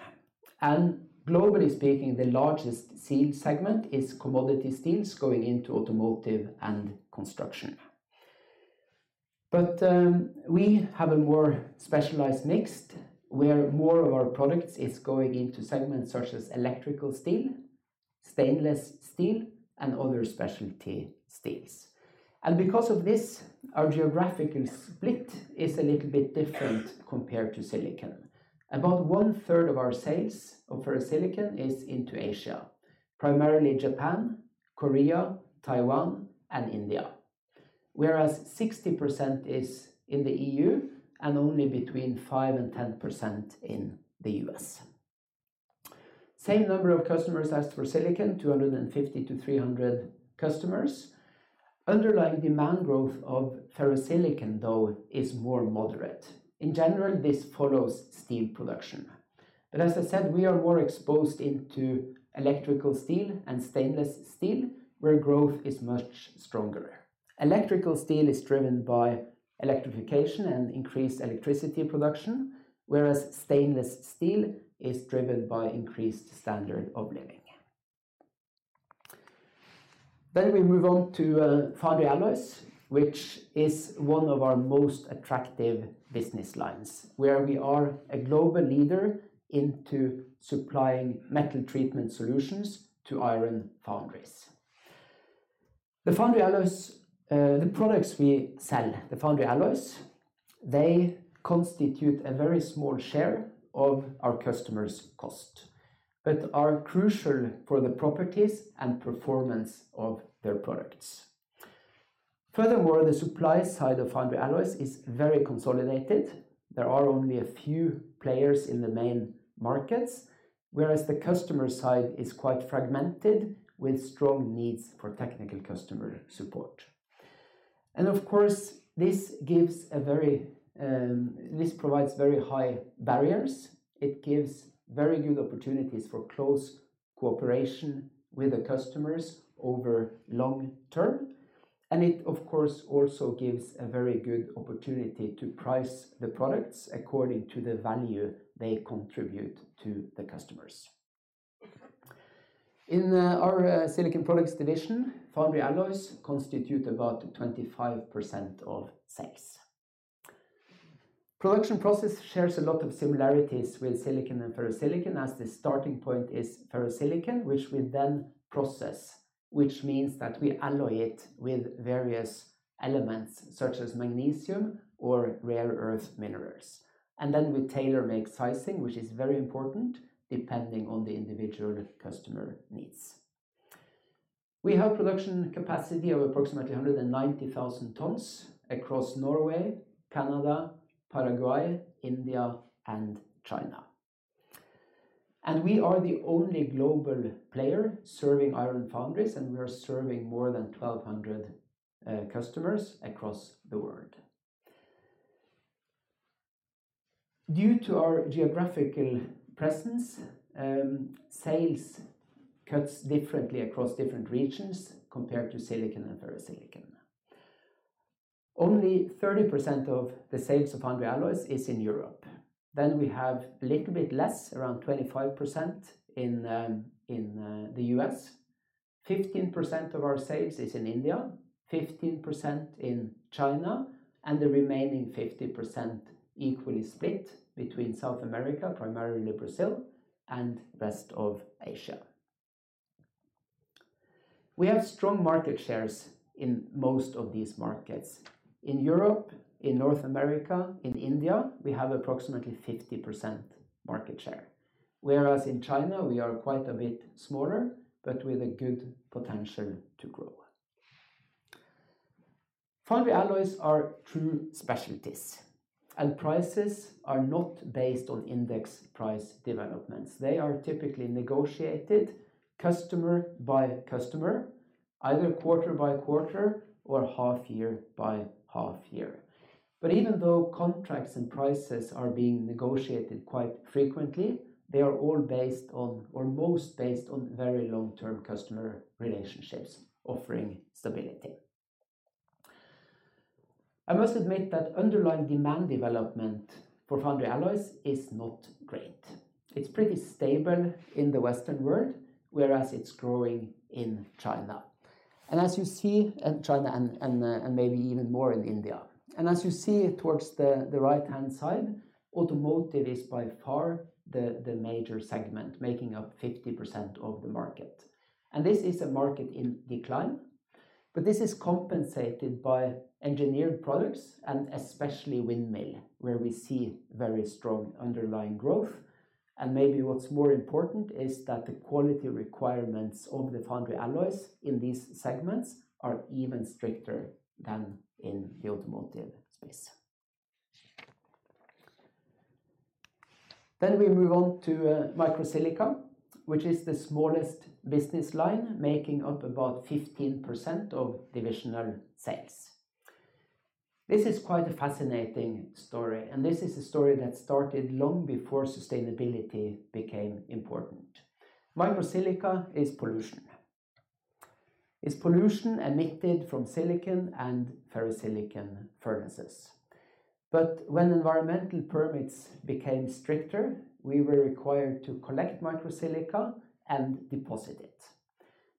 Globally speaking, the largest steel segment is commodity steels going into automotive and construction. We have a more specialized mix, where more of our products is going into segments such as electrical steel, stainless steel, and other specialty steels. Because of this, our geographical split is a little bit different compared to silicon. About 1/3 of our sales of ferrosilicon is into Asia, primarily Japan, Korea, Taiwan, and India. Whereas 60% is in the EU and only between 5% and 10% in the U.S. Same number of customers as Ferrosilicon, 250-300 customers. Underlying demand growth of ferrosilicon, though, is more moderate. In general, this follows steel production. But as I said, we are more exposed to electrical steel and stainless steel, where growth is much stronger. Electrical steel is driven by electrification and increased electricity production, whereas stainless steel is driven by increased standard of living. We move on to Foundry Alloys, which is one of our most attractive business lines, where we are a global leader in supplying metal treatment solutions to iron foundries. The Foundry Alloys, the products we sell, they constitute a very small share of our customers' cost, but are crucial for the properties and performance of their products. Furthermore, the supply side of Foundry Alloys is very consolidated. There are only a few players in the main markets, whereas the customer side is quite fragmented with strong needs for technical customer support. Of course, this provides very high barriers. It gives very good opportunities for close cooperation with the customers over long term, and it, of course, also gives a very good opportunity to price the products according to the value they contribute to the customers. In our Silicon Products division, Foundry Alloys constitute about 25% of sales. Production process shares a lot of similarities with silicon and ferrosilicon, as the starting point is ferrosilicon, which we then process, which means that we alloy it with various elements such as magnesium or rare earth minerals. We tailor make sizing, which is very important, depending on the individual customer needs. We have production capacity of approximately 190,000 tons across Norway, Canada, Paraguay, India, and China. We are the only global player serving iron foundries, and we are serving more than 1,200 customers across the world. Due to our geographical presence, sales cut differently across different regions compared to silicon and ferrosilicon. Only 30% of the sales of foundry alloys is in Europe. We have a little bit less, around 25% in the U.S. 15% of our sales is in India, 15% in China, and the remaining 50% equally split between South America, primarily Brazil, and rest of Asia. We have strong market shares in most of these markets. In Europe, in North America, in India, we have approximately 50% market share. Whereas in China, we are quite a bit smaller, but with a good potential to grow. Foundry alloys are true specialties, and prices are not based on index price developments. They are typically negotiated customer by customer, either quarter by quarter or half year by half year. Even though contracts and prices are being negotiated quite frequently, they are all based on, or most based on very long-term customer relationships offering stability. I must admit that underlying demand development for foundry alloys is not great. It's pretty stable in the Western world, whereas it's growing in China. As you see, China and maybe even more in India. As you see towards the right-hand side, automotive is by far the major segment, making up 50% of the market. This is a market in decline, but this is compensated by engineered products and especially windmill, where we see very strong underlying growth. Maybe what's more important is that the quality requirements of the foundry alloys in these segments are even stricter than in the automotive space. We move on to microsilica, which is the smallest business line making up about 15% of divisional sales. This is quite a fascinating story, and this is a story that started long before sustainability became important. Microsilica is pollution. It's pollution emitted from silicon and ferrosilicon furnaces. When environmental permits became stricter, we were required to collect microsilica and deposit it.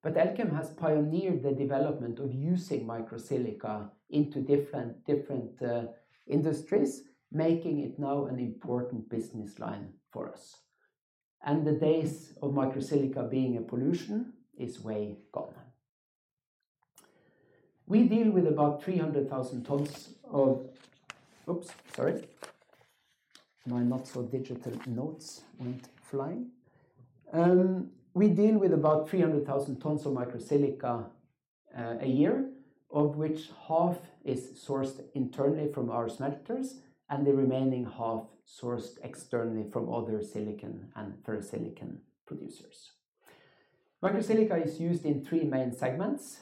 Elkem has pioneered the development of using microsilica into different industries, making it now an important business line for us. The days of microsilica being a pollution is way gone. We deal with about 300,000 tons of microsilica a year, of which half is sourced internally from our smelters and the remaining half sourced externally from other silicon and Ferrosilicon producers. Microsilica is used in three main segments,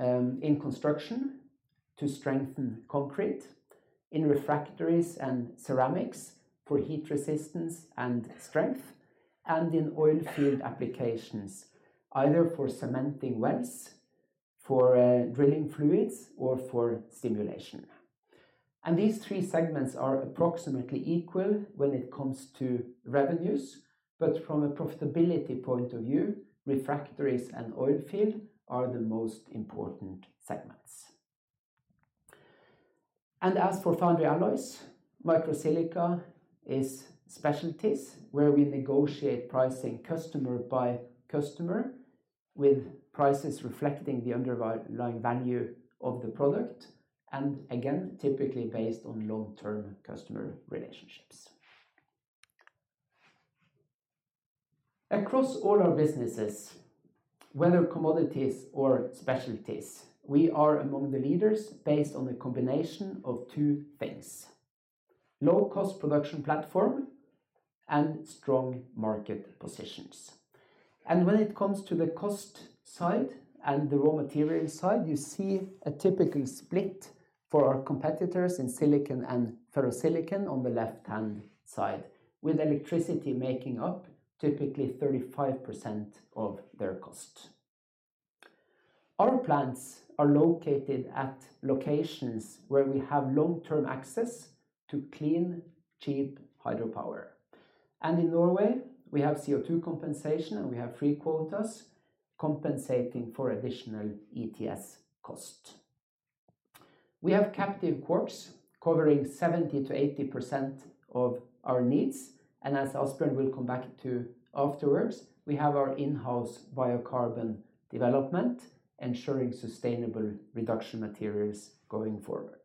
in construction to strengthen concrete, in refractories and ceramics for heat resistance and strength, and in oil field applications, either for cementing wells, for drilling fluids, or for stimulation. These three segments are approximately equal when it comes to revenues, but from a profitability point of view, refractories and oil field are the most important segments. As for Foundry Alloys, microsilica, and specialties, we negotiate pricing customer by customer, with prices reflecting the underlying value of the product, and again, typically based on long-term customer relationships. Across all our businesses, whether commodities or specialties, we are among the leaders based on the combination of two things, low cost production platform and strong market positions. When it comes to the cost side and the raw material side, you see a typical split for our competitors in silicon and ferrosilicon on the left-hand side, with electricity making up typically 35% of their cost. Our plants are located at locations where we have long-term access to clean, cheap hydropower. In Norway, we have CO₂ compensation, and we have free quotas compensating for additional ETS cost. We have captive quartz covering 70%-80% of our needs, and as Asbjørn will come back to afterwards, we have our in-house biocarbon development ensuring sustainable reduction materials going forward.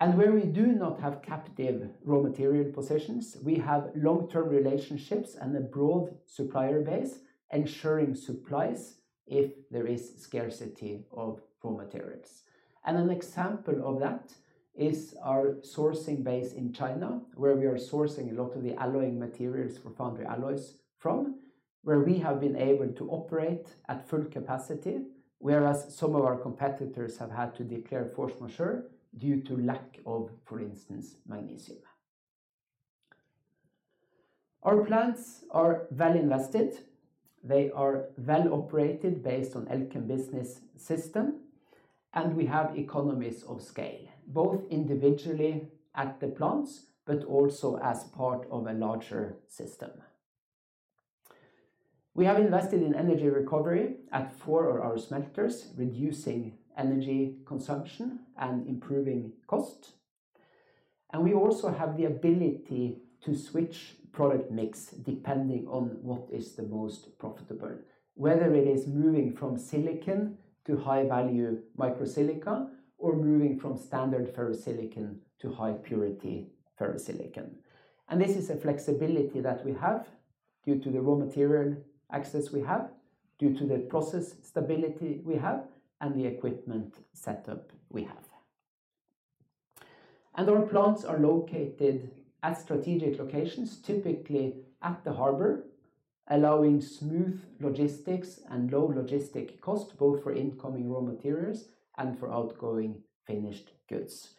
Where we do not have captive raw material positions, we have long-term relationships and a broad supplier base ensuring supplies if there is scarcity of raw materials. An example of that is our sourcing base in China, where we are sourcing a lot of the alloying materials for foundry alloys from, where we have been able to operate at full capacity, whereas some of our competitors have had to declare force majeure due to lack of, for instance, magnesium. Our plants are well-invested. They are well-operated based on Elkem Business System, and we have economies of scale, both individually at the plants, but also as part of a larger system. We have invested in energy recovery at four of our smelters, reducing energy consumption and improving cost. We also have the ability to switch product mix depending on what is the most profitable, whether it is moving from silicon to high-value microsilica or moving from standard ferrosilicon to high-purity ferrosilicon. This is a flexibility that we have due to the raw material access we have, due to the process stability we have, and the equipment setup we have. Our plants are located at strategic locations, typically at the harbor, allowing smooth logistics and low logistic cost, both for incoming raw materials and for outgoing finished goods.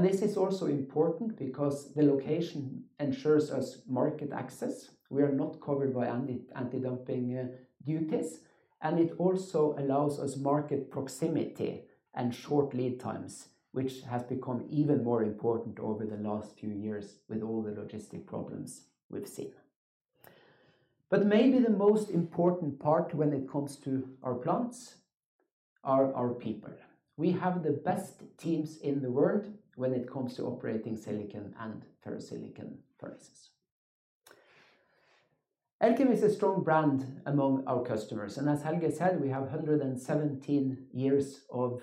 This is also important because the location ensures us market access. We are not covered by anti-dumping duties, and it also allows us market proximity and short lead times, which has become even more important over the last few years with all the logistic problems we've seen. Maybe the most important part when it comes to our plants are our people. We have the best teams in the world when it comes to operating silicon and ferrosilicon furnaces. Elkem is a strong brand among our customers, and as Helge said, we have 117 years of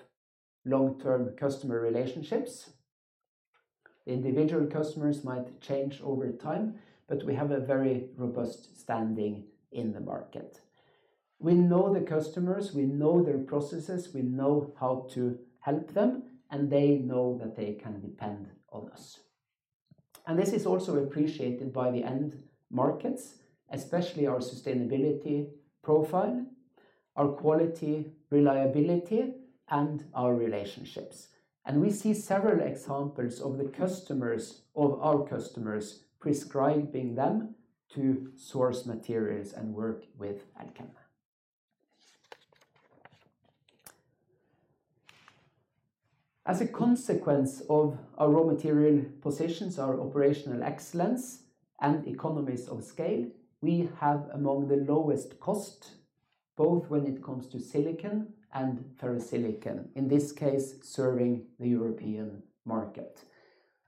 long-term customer relationships. Individual customers might change over time, but we have a very robust standing in the market. We know the customers, we know their processes, we know how to help them, and they know that they can depend on us. This is also appreciated by the end markets, especially our sustainability profile, our quality, reliability, and our relationships. We see several examples of the customers, of our customers prescribing them to source materials and work with Elkem. As a consequence of our raw material positions, our operational excellence, and economies of scale, we have among the lowest cost, both when it comes to silicon and ferrosilicon, in this case, serving the European market.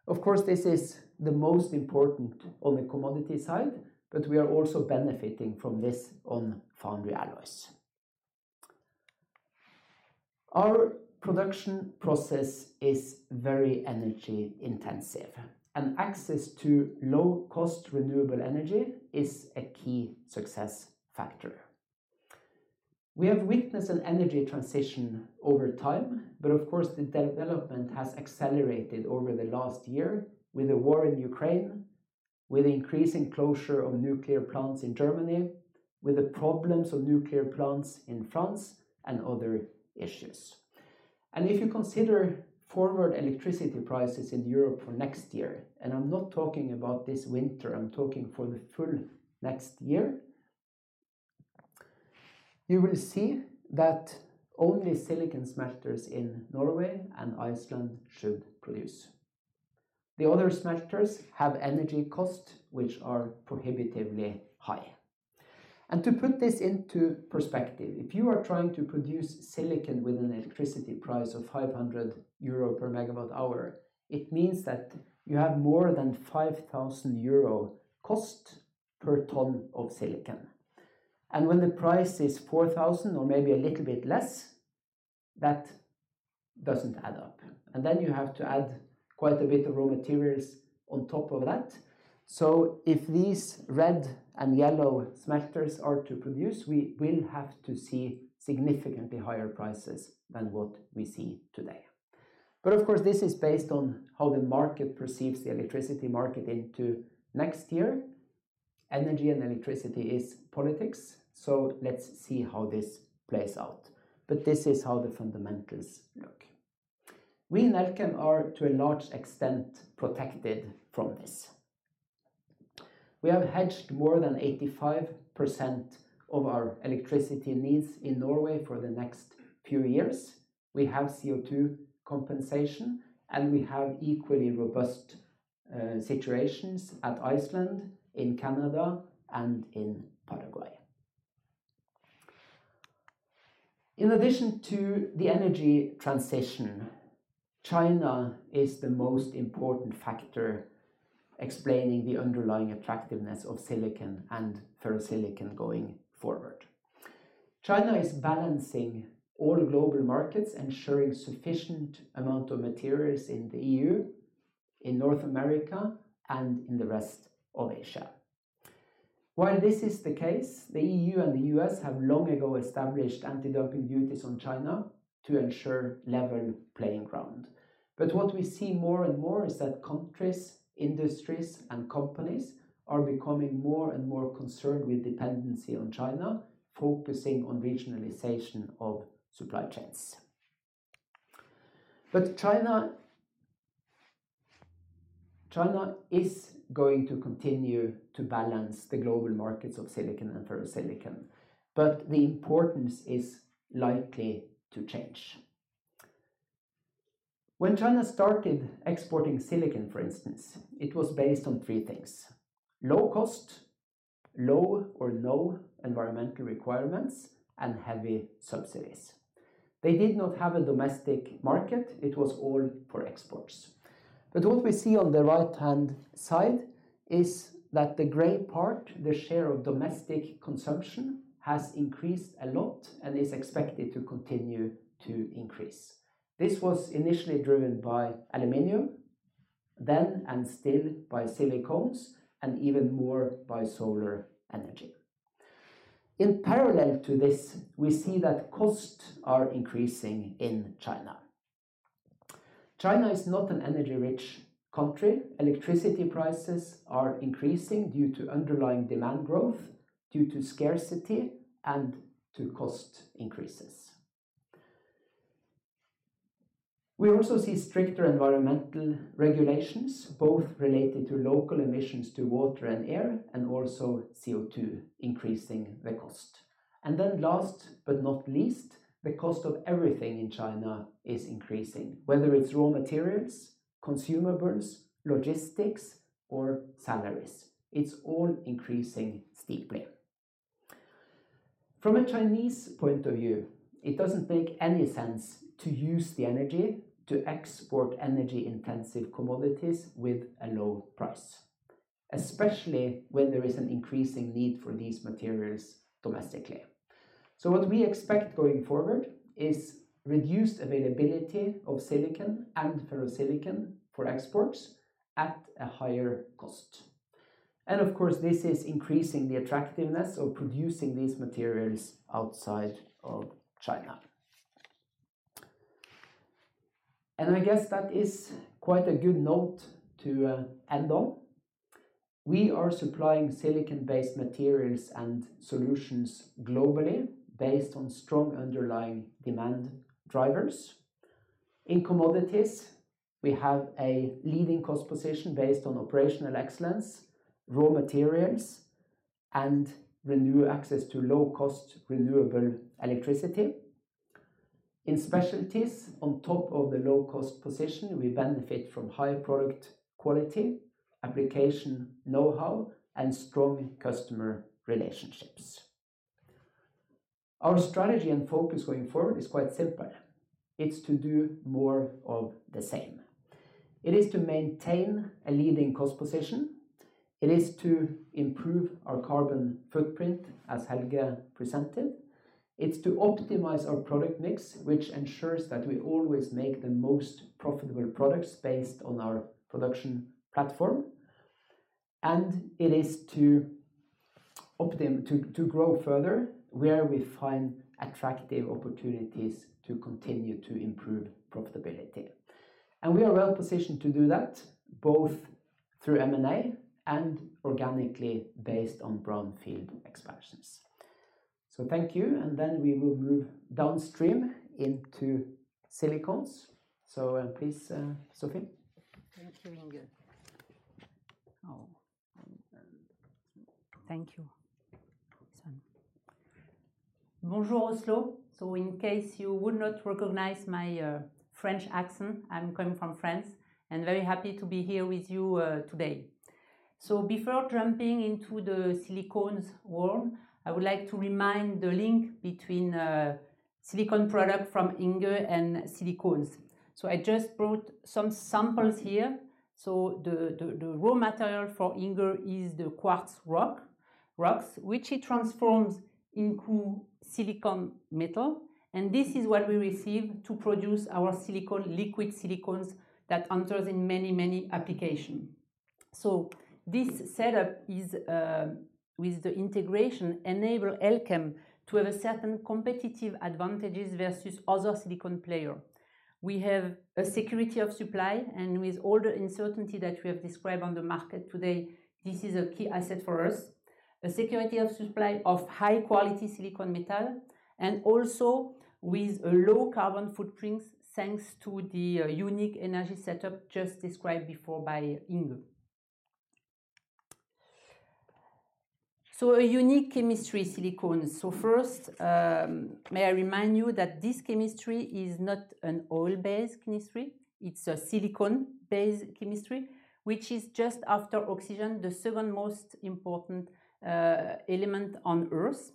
Of course, this is the most important on the commodity side, but we are also benefiting from this on foundry alloys. Our production process is very energy-intensive, and access to low-cost renewable energy is a key success factor. We have witnessed an energy transition over time, but of course, the deindustrialization has accelerated over the last year with the war in Ukraine, with increasing closure of nuclear plants in Germany, with the problems of nuclear plants in France, and other issues. If you consider forward electricity prices in Europe for next year, and I'm not talking about this winter, I'm talking for the full next year, you will see that only silicon smelters in Norway and Iceland should produce. The other smelters have energy costs, which are prohibitively high. To put this into perspective, if you are trying to produce silicon with an electricity price of 500 euro per MWh, it means that you have more than 5,000 euro cost per ton of silicon. When the price is 4,000 EUR or maybe a little bit less, that doesn't add up, and then you have to add quite a bit of raw materials on top of that. If these red and yellow smelters are to produce, we will have to see significantly higher prices than what we see today. Of course, this is based on how the market perceives the electricity market into next year. Energy and electricity is politics, so let's see how this plays out. This is how the fundamentals look. We in Elkem are, to a large extent, protected from this. We have hedged more than 85% of our electricity needs in Norway for the next few years. We have CO₂ compensation, and we have equally robust situations in Iceland, in Canada, and in Paraguay. In addition to the energy transition, China is the most important factor explaining the underlying attractiveness of silicon and ferrosilicon going forward. China is balancing all global markets, ensuring sufficient amount of materials in the E.U., in North America, and in the rest of Asia. While this is the case, the E.U. and the U.S. have long ago established anti-dumping duties on China to ensure level playing field. What we see more and more is that countries, industries, and companies are becoming more and more concerned with dependency on China, focusing on regionalization of supply chains. China is going to continue to balance the global markets of silicon and ferrosilicon, but the importance is likely to change. When China started exporting silicon, for instance, it was based on three things, low cost, low or no environmental requirements, and heavy subsidies. They did not have a domestic market, it was all for exports. What we see on the right-hand side is that the gray part, the share of domestic consumption, has increased a lot and is expected to continue to increase. This was initially driven by aluminum, then and still by silicones, and even more by solar energy. In parallel to this, we see that costs are increasing in China. China is not an energy-rich country. Electricity prices are increasing due to underlying demand growth, due to scarcity, and to cost increases. We also see stricter environmental regulations, both related to local emissions to water and air, and also CO₂ increasing the cost. Last but not least, the cost of everything in China is increasing, whether it's raw materials, consumables, logistics, or salaries. It's all increasing steeply. From a Chinese point of view, it doesn't make any sense to use the energy to export energy-intensive commodities with a low price, especially when there is an increasing need for these materials domestically. What we expect going forward is reduced availability of silicon and ferrosilicon for exports at a higher cost. Of course, this is increasing the attractiveness of producing these materials outside of China. I guess that is quite a good note to end on. We are supplying silicon-based materials and solutions globally based on strong underlying demand drivers. In commodities, we have a leading cost position based on operational excellence, raw materials, and renewable access to low-cost renewable electricity. In specialties, on top of the low-cost position, we benefit from high product quality, application know-how, and strong customer relationships. Our strategy and focus going forward is quite simple. It's to do more of the same. It is to maintain a leading cost position. It is to improve our carbon footprint, as Helge presented. It's to optimize our product mix, which ensures that we always make the most profitable products based on our production platform. It is to grow further where we find attractive opportunities to continue to improve profitability. We are well-positioned to do that, both through M&A and organically based on brownfield expansions. Thank you, and then we will move downstream into silicones. Please, Sophie. Thank you, Inge. Bonjour, Oslo. In case you would not recognize my French accent, I'm coming from France, and very happy to be here with you today. Before jumping into the silicones world, I would like to remind the link between Silicon Products from Inge and silicones. I just brought some samples here. The raw material for Inge is the quartz rocks, which it transforms into silicon metal, and this is what we receive to produce our silicones, liquid silicones that enters in many application. This setup is with the integration enable Elkem to have a certain competitive advantages versus other silicone player. We have a security of supply, and with all the uncertainty that we have described on the market today, this is a key asset for us. A security of supply of high-quality silicon metal, and also with a low carbon footprint, thanks to the unique energy setup just described before by Inge. A unique chemistry silicone. First, may I remind you that this chemistry is not an oil-based chemistry. It's a silicone-based chemistry, which is just after oxygen, the second most important element on Earth.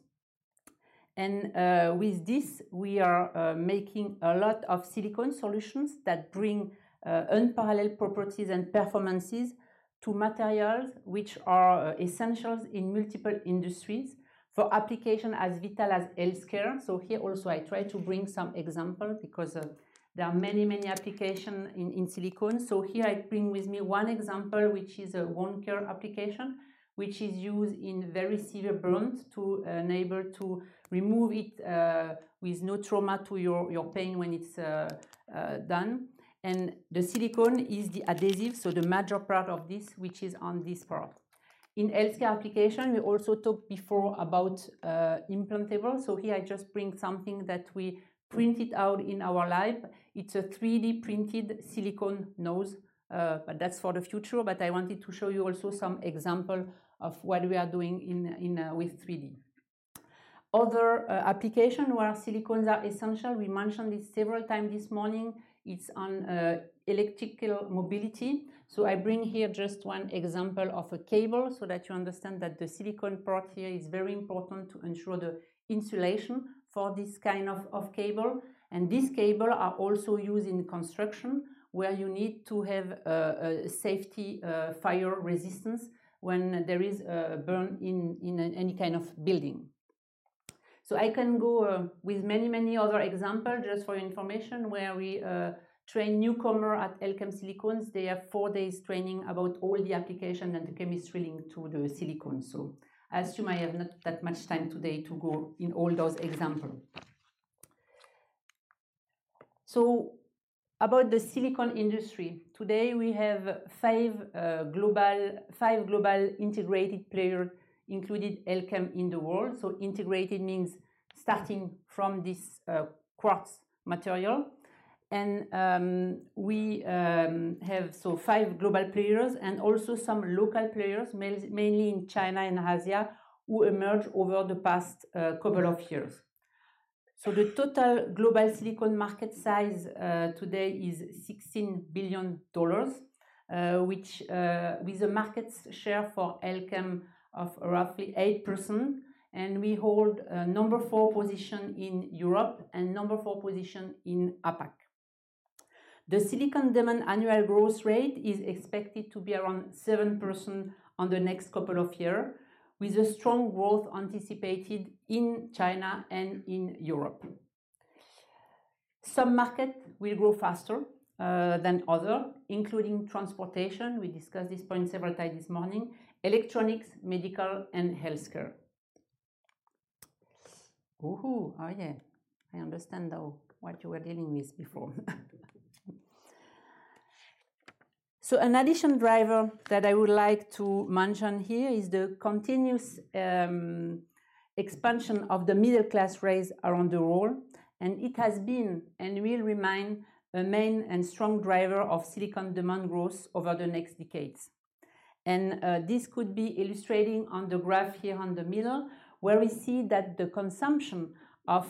With this, we are making a lot of silicone solutions that bring unparalleled properties and performances to materials which are essentials in multiple industries for application as vital as healthcare. Here also I try to bring some example because there are many application in silicone. Here I bring with me one example, which is a wound care application, which is used in very severe burns to enable to remove it, with no trauma to your pain when it's done. The silicone is the adhesive, so the major part of this, which is on this part. In healthcare application, we also talked before about implantable. Here I just bring something that we printed out in our lab. It's a 3D-printed silicone nose, but that's for the future. I wanted to show you also some example of what we are doing in with 3D. Other application where silicones are essential, we mentioned this several times this morning, it's on electrical mobility. I bring here just one example of a cable so that you understand that the silicone part here is very important to ensure the insulation for this kind of cable. This cable are also used in construction, where you need to have a safety fire resistance when there is a burn in any kind of building. I can go with many other example, just for your information, where we train newcomer at Elkem Silicones. They have four days training about all the application and the chemistry linked to the silicone. I assume I have not that much time today to go in all those example. About the silicone industry. Today, we have five global integrated player, including Elkem, in the world. Integrated means starting from this quartz material. We have so five global players and also some local players, mainly in China and Asia, who emerged over the past couple of years. The total global silicone market size today is $16 billion, which with the market share for Elkem of roughly 8%, and we hold a number four position in Europe and number four position in APAC. The silicone demand annual growth rate is expected to be around 7% in the next couple of years, with a strong growth anticipated in China and in Europe. Some markets will grow faster than others, including transportation, we discussed this point several times this morning, electronics, medical, and healthcare. Ooh. Oh, yeah. I understand now what you were dealing with before. An additional driver that I would like to mention here is the continuous expansion of the middle class rise around the world, and it has been and will remain a main and strong driver of silicone demand growth over the next decades. This could be illustrated on the graph here on the slide, where we see that the consumption of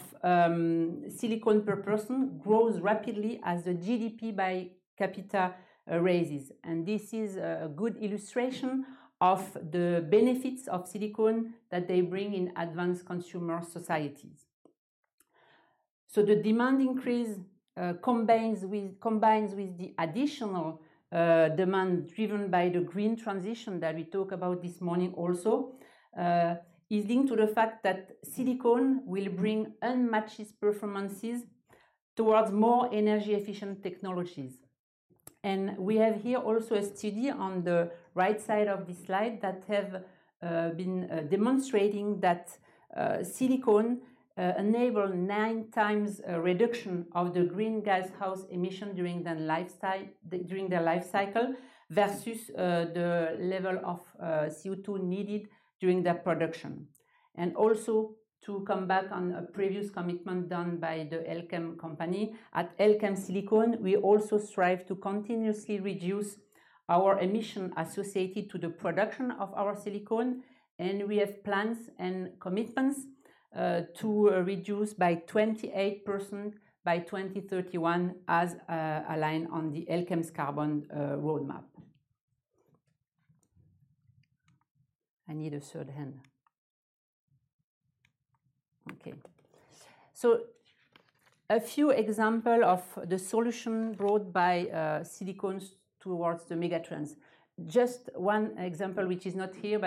silicone per person grows rapidly as the GDP per capita rises. This is a good illustration of the benefits of silicone that they bring in advanced consumer societies. The demand increase combines with the additional demand driven by the green transition that we talk about this morning also is linked to the fact that silicone will bring unmatched performances towards more energy-efficient technologies. We have here also a study on the right side of this slide that have been demonstrating that silicone enable 9x reduction of the greenhouse emission during their life cycle versus the level of CO₂ needed during their production. Also to come back on a previous commitment done by the Elkem company, at Elkem Silicones, we also strive to continuously reduce our emission associated to the production of our silicone, and we have plans and commitments to reduce by 28% by 2031 as aligned on Elkem's carbon roadmap. I need a third hand. Okay. A few example of the solution brought by silicones towards the megatrends. Just one example, which is not here,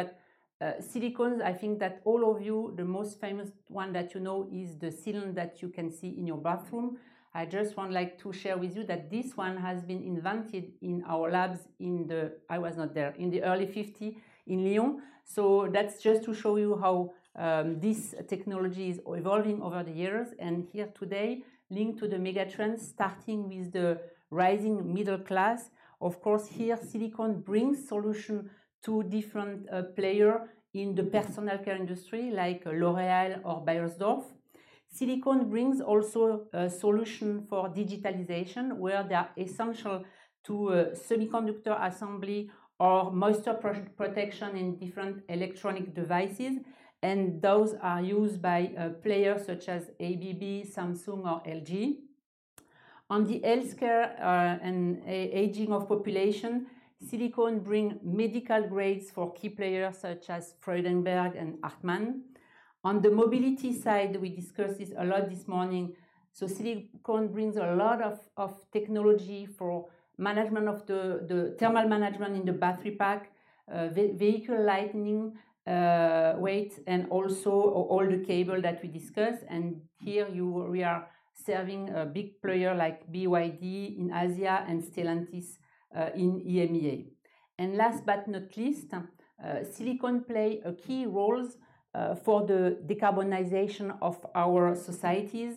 but, silicones, I think that all of you, the most famous one that you know is the sealant that you can see in your bathroom. I just want like to share with you that this one has been invented in our labs in the, I was not there, in the early 1950s in Lyon. That's just to show you how this technology is evolving over the years, and here today, linked to the megatrend, starting with the rising middle class. Of course, here silicone brings solution to different player in the personal care industry like L'Oréal or Beiersdorf. Silicone brings also a solution for digitalization, where they are essential to semiconductor assembly or moisture protection in different electronic devices. Those are used by players such as ABB, Samsung or LG. On the healthcare and aging of population, silicone brings medical grades for key players such as Freudenberg and Paul Hartmann. On the mobility side, we discussed this a lot this morning. Silicone brings a lot of technology for management of the thermal management in the battery pack, vehicle lighting, weight, and also all the cable that we discussed. Here we are serving a big player like BYD in Asia and Stellantis in EMEA. Last but not least, silicone plays a key role for the decarbonization of our societies,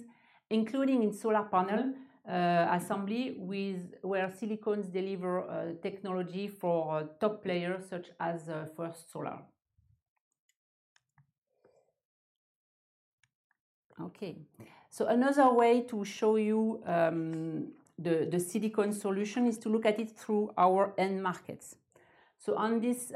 including in solar panel assembly where silicones deliver technology for top players such as First Solar. Okay. Another way to show you the silicone solution is to look at it through our end markets. On this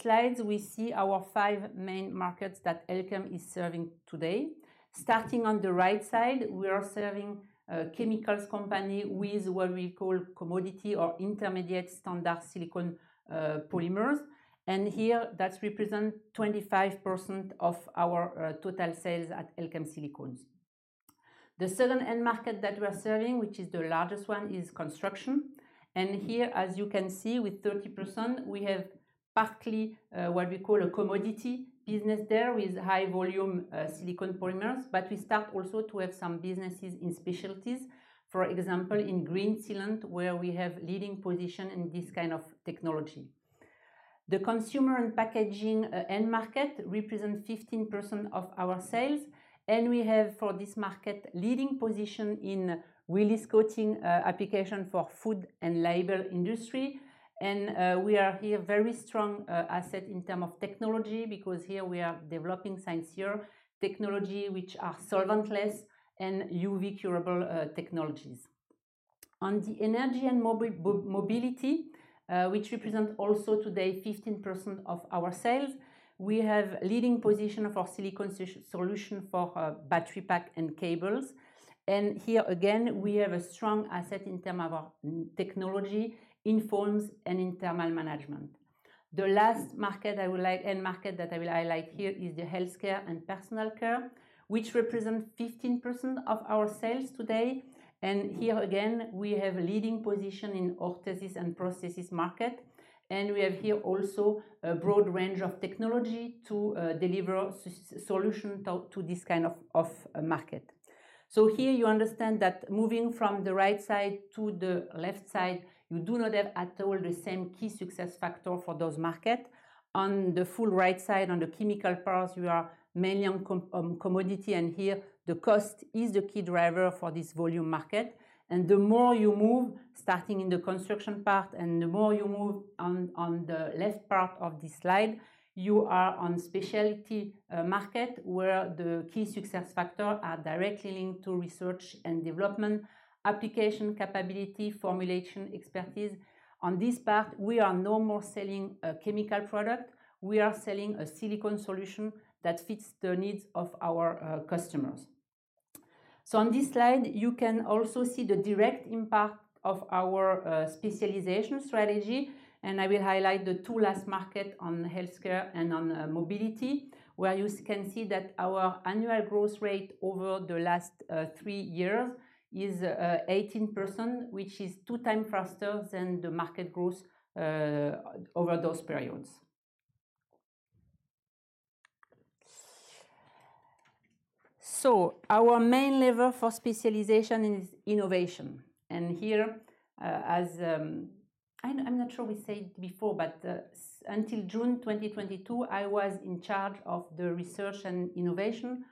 slide, we see our five main markets that Elkem is serving today. Starting on the right side, we are serving a chemicals company with what we call commodity or intermediate standard silicone polymers. Here that represent 25% of our total sales at Elkem Silicones. The second end market that we are serving, which is the largest one, is construction. Here, as you can see, with 30%, we have partly what we call a commodity business there with high volume silicone polymers, but we start also to have some businesses in specialties. For example, in green sealant, where we have leading position in this kind of technology. The consumer and packaging end market represent 15% of our sales, and we have, for this market, leading position in release coating application for food and label industry. We are here very strong asset in terms of technology, because here we are developing silicones here, technology which are Solventless and UV curable technologies. On the energy and mobility, which represent also today 15% of our sales, we have leading position of our silicone solution for battery pack and cables. Here again, we have a strong asset in terms of our technology in foams and in thermal management. The last end market that I will highlight here is the healthcare and personal care, which represent 15% of our sales today. Here again, we have leading position in orthosis and prosthesis market, and we have here also a broad range of technology to deliver solution to this kind of market. Here you understand that moving from the right side to the left side, you do not have at all the same key success factor for those markets. On the full right side, on the chemical parts, we are mainly on commodity, and here the cost is the key driver for this volume market. The more you move, starting in the construction part and the more you move on the left part of this slide, you are on specialty market, where the key success factor are directly linked to research and development, application capability, formulation expertise. On this part, we are no more selling a chemical product. We are selling a silicone solution that fits the needs of our customers. On this slide, you can also see the direct impact of our specialization strategy, and I will highlight the two last markets on healthcare and on mobility, where you can see that our annual growth rate over the last three years is 18%, which is two times faster than the market growth over those periods. Our main lever for specialization is innovation. Here, I'm not sure we said before, but until June 2022, I was in charge of the research and innovation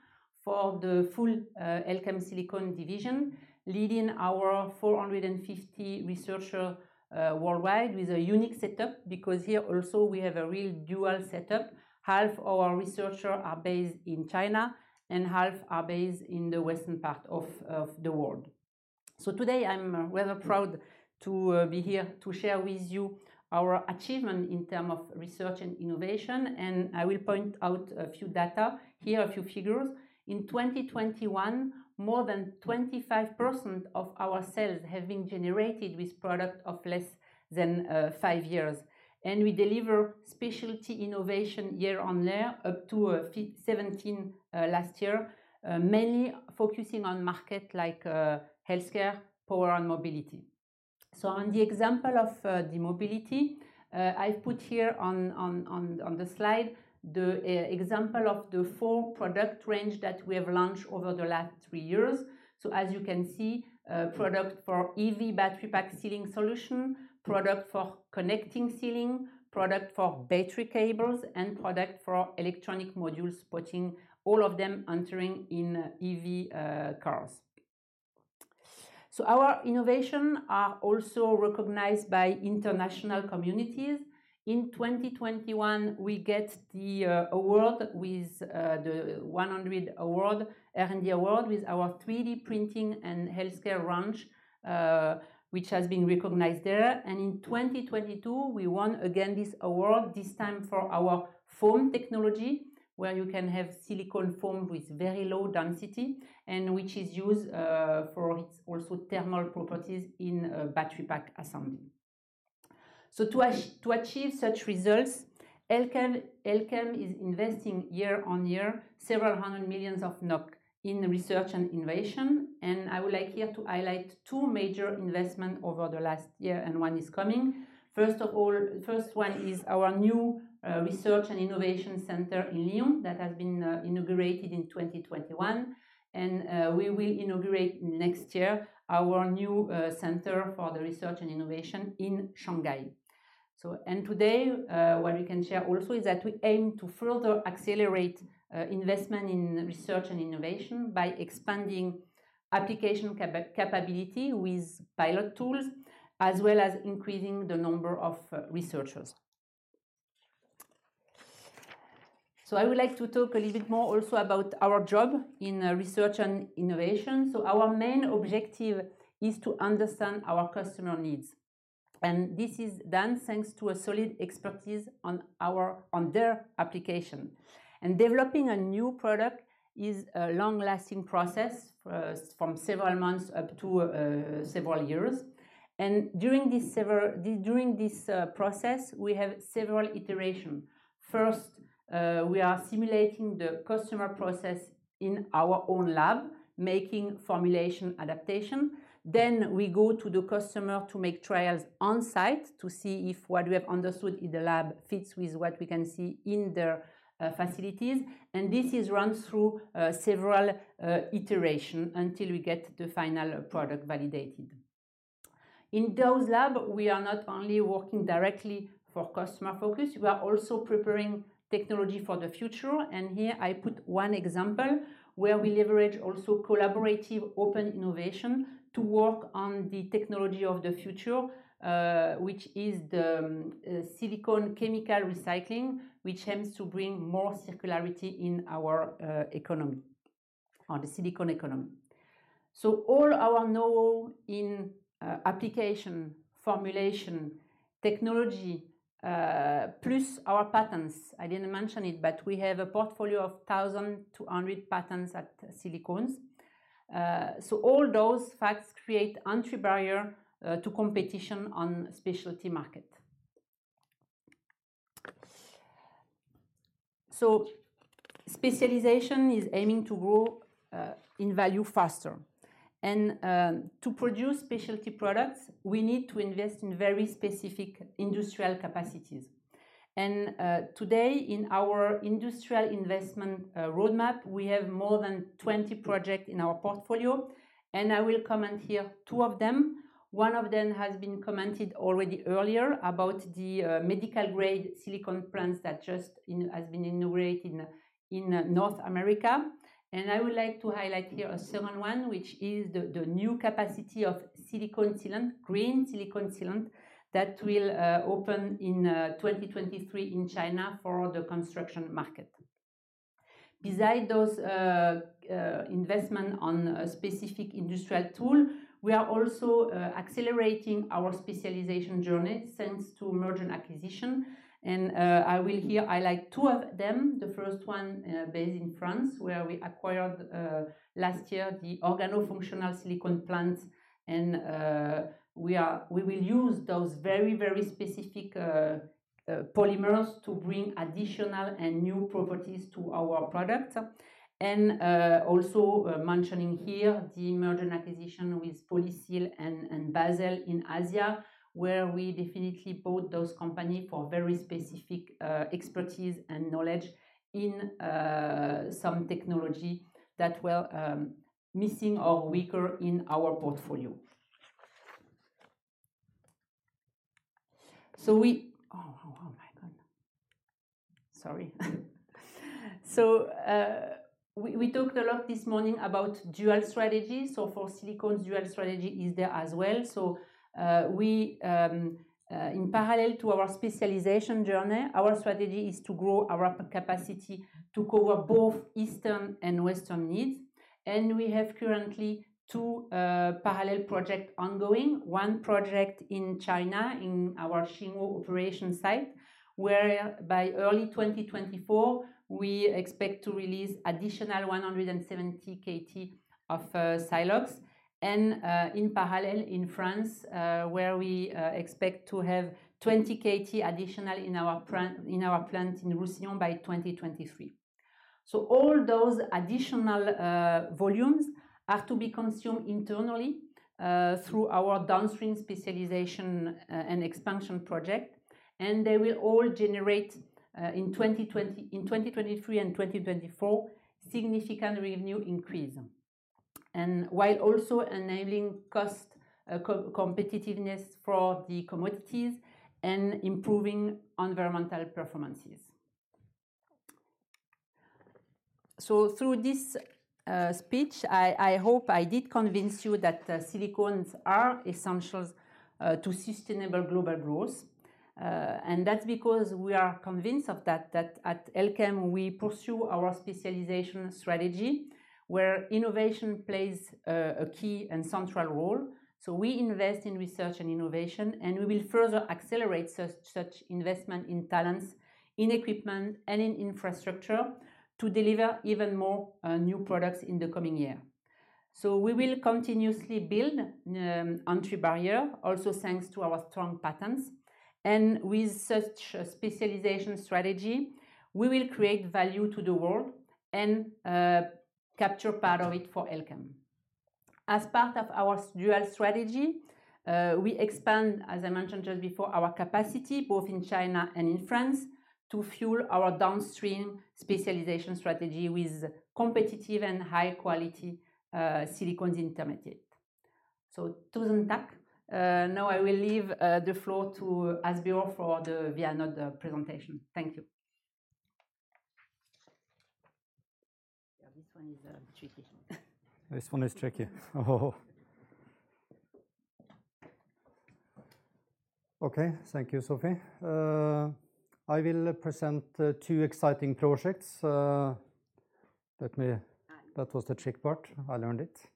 for the full Elkem Silicon division, leading our 450 researchers worldwide with a unique setup, because here also we have a real dual setup. Half our researchers are based in China, and half are based in the western part of the world. Today I'm rather proud to be here to share with you our achievement in terms of research and innovation, and I will point out a few data. Here are a few figures. In 2021, more than 25% of our sales have been generated with products of less than five years. We deliver specialty innovation year-on-year, up to 57 last year, mainly focusing on markets like healthcare, power and mobility. On the example of the mobility, I put here on the slide the example of the four product range that we have launched over the last three years. As you can see, product for EV battery pack sealing solution, product for connecting sealing, product for battery cables, and product for electronic modules, putting all of them entering in EV cars. Our innovation are also recognized by international communities. In 2021, we get the award with the R&D 100 Award, with our 3D printing and healthcare range, which has been recognized there. In 2022, we won again this award, this time for our foam technology, where you can have silicone foam with very low density and which is used for its also thermal properties in battery pack assembly. To achieve such results, Elkem is investing year-on-year several hundred million NOK in research and innovation. I would like here to highlight two major investment over the last year, and one is coming. First one is our new research and innovation center in Lyon that has been inaugurated in 2021. We will inaugurate next year our new center for the research and innovation in Shanghai. Today, what we can share also is that we aim to further accelerate investment in research and innovation by expanding application capability with pilot tools, as well as increasing the number of researchers. I would like to talk a little bit more also about our job in research and innovation. Our main objective is to understand our customer needs. This is done thanks to a solid expertise on their application. Developing a new product is a long-lasting process from several months up to several years. During this process, we have several iteration. First, we are simulating the customer process in our own lab, making formulation adaptation. We go to the customer to make trials on-site to see if what we have understood in the lab fits with what we can see in their facilities. This is run through several iterations until we get the final product validated. In those labs, we are not only working directly for customer focus, we are also preparing technology for the future. Here I put one example where we leverage also collaborative open innovation to work on the technology of the future, which is the silicone chemical recycling, which aims to bring more circularity in our economy or the silicone economy. All our know-how in application, formulation, technology, plus our patents. I didn't mention it, but we have a portfolio of 1,200 patents at Silicones. All those facts create entry barrier to competition on specialty market. Specialization is aiming to grow in value faster. To produce specialty products, we need to invest in very specific industrial capacities. Today, in our industrial investment roadmap, we have more than 20 projects in our portfolio, and I will comment here two of them. One of them has been commented already earlier about the medical-grade silicone plants that has been inaugurated in North America. I would like to highlight here a second one, which is the new capacity of silicone sealant, green silicone sealant, that will open in 2023 in China for the construction market. Besides those investments on a specific industrial tool, we are also accelerating our specialization journey thanks to merger and acquisition. I will here highlight two of them. The first one, based in France, where we acquired last year the organofunctional silicone plants. We will use those very, very specific polymers to bring additional and new properties to our product. Also mentioning here the merger and acquisition with Polysil and Basel in Asia, where we definitely bought those company for very specific expertise and knowledge in some technology that were missing or weaker in our portfolio. We talked a lot this morning about dual strategy. For silicones, dual strategy is there as well. We in parallel to our specialization journey, our strategy is to grow our capacity to cover both Eastern and Western needs. We have currently two parallel project ongoing. One project in China, in our Xinghuo operation site, where by early 2024, we expect to release additional 170 KT of siloxane. In parallel in France, where we expect to have 20 KT additional in our plant in Roussillon by 2023. All those additional volumes are to be consumed internally through our downstream specialization and expansion project, and they will all generate in 2023 and 2024 significant revenue increase. While also enabling cost competitiveness for the commodities and improving environmental performances. Through this speech, I hope I did convince you that silicones are essential to sustainable global growth. That's because we are convinced of that at Elkem, we pursue our specialization strategy where innovation plays a key and central role. We invest in research and innovation, and we will further accelerate such investment in talents, in equipment, and in infrastructure to deliver even more new products in the coming year. We will continuously build entry barrier, also thanks to our strong patents. With such a specialization strategy, we will create value to the world and capture part of it for Elkem. As part of our specialization strategy, we expand, as I mentioned just before, our capacity, both in China and in France, to fuel our downstream specialization strategy with competitive and high quality silicones intermediate. Tusen takk. Now I will leave the floor to Asbjørn for the Vianode presentation. Thank you. Yeah, this one is tricky. This one is tricky. Okay. Thank you, Sophie. I will present two exciting projects. Let me. All right. That was the trick part. I learned it.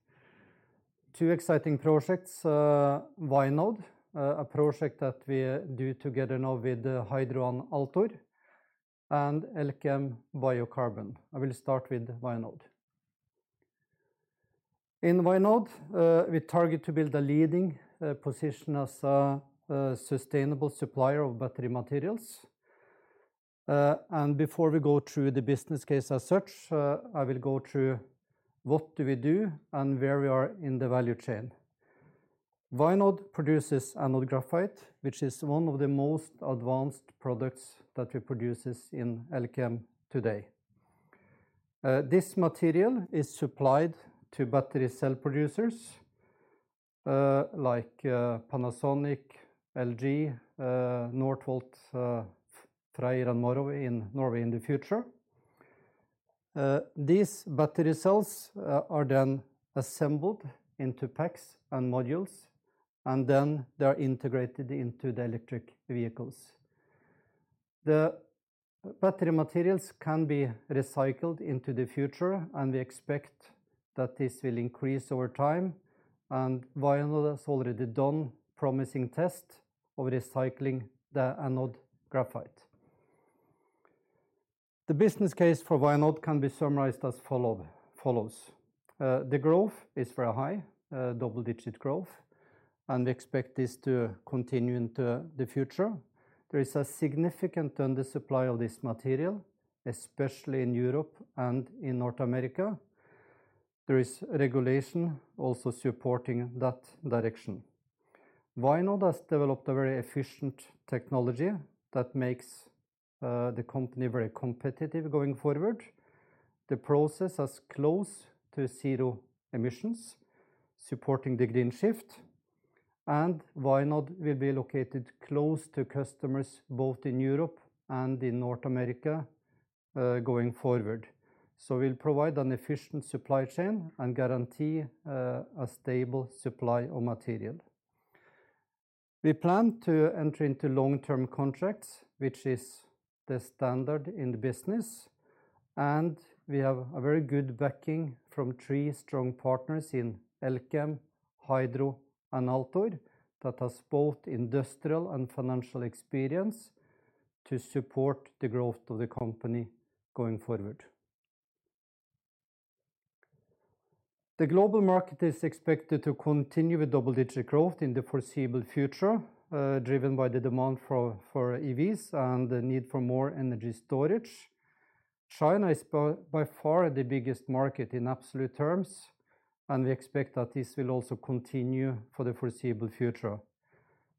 Two exciting projects. Vianode, a project that we do together now with Hydro and Altor, and Elkem Biocarbon. I will start with Vianode. In Vianode, we target to build a leading position as a sustainable supplier of battery materials. Before we go through the business case as such, I will go through what do we do and where we are in the value chain. Vianode produces anode graphite, which is one of the most advanced products that we produces in Elkem today. This material is supplied to battery cell producers, like Panasonic, LG, Northvolt, FREYR and Morrow in Norway in the future. These battery cells are then assembled into packs and modules, and then they are integrated into the electric vehicles. The battery materials can be recycled into the future, and we expect that this will increase over time, and Vianode has already done promising tests of recycling the anode graphite. The business case for Vianode can be summarized as follows. The growth is very high, double-digit growth, and we expect this to continue into the future. There is a significant undersupply of this material, especially in Europe and in North America. There is regulation also supporting that direction. Vianode has developed a very efficient technology that makes the company very competitive going forward. The process has close to zero emissions, supporting the green shift, and Vianode will be located close to customers, both in Europe and in North America, going forward. We'll provide an efficient supply chain and guarantee a stable supply of material. We plan to enter into long-term contracts, which is the standard in the business, and we have a very good backing from three strong partners in Elkem, Hydro, and Altor that has both industrial and financial experience to support the growth of the company going forward. The global market is expected to continue with double-digit growth in the foreseeable future, driven by the demand for EVs and the need for more energy storage. China is by far the biggest market in absolute terms, and we expect that this will also continue for the foreseeable future.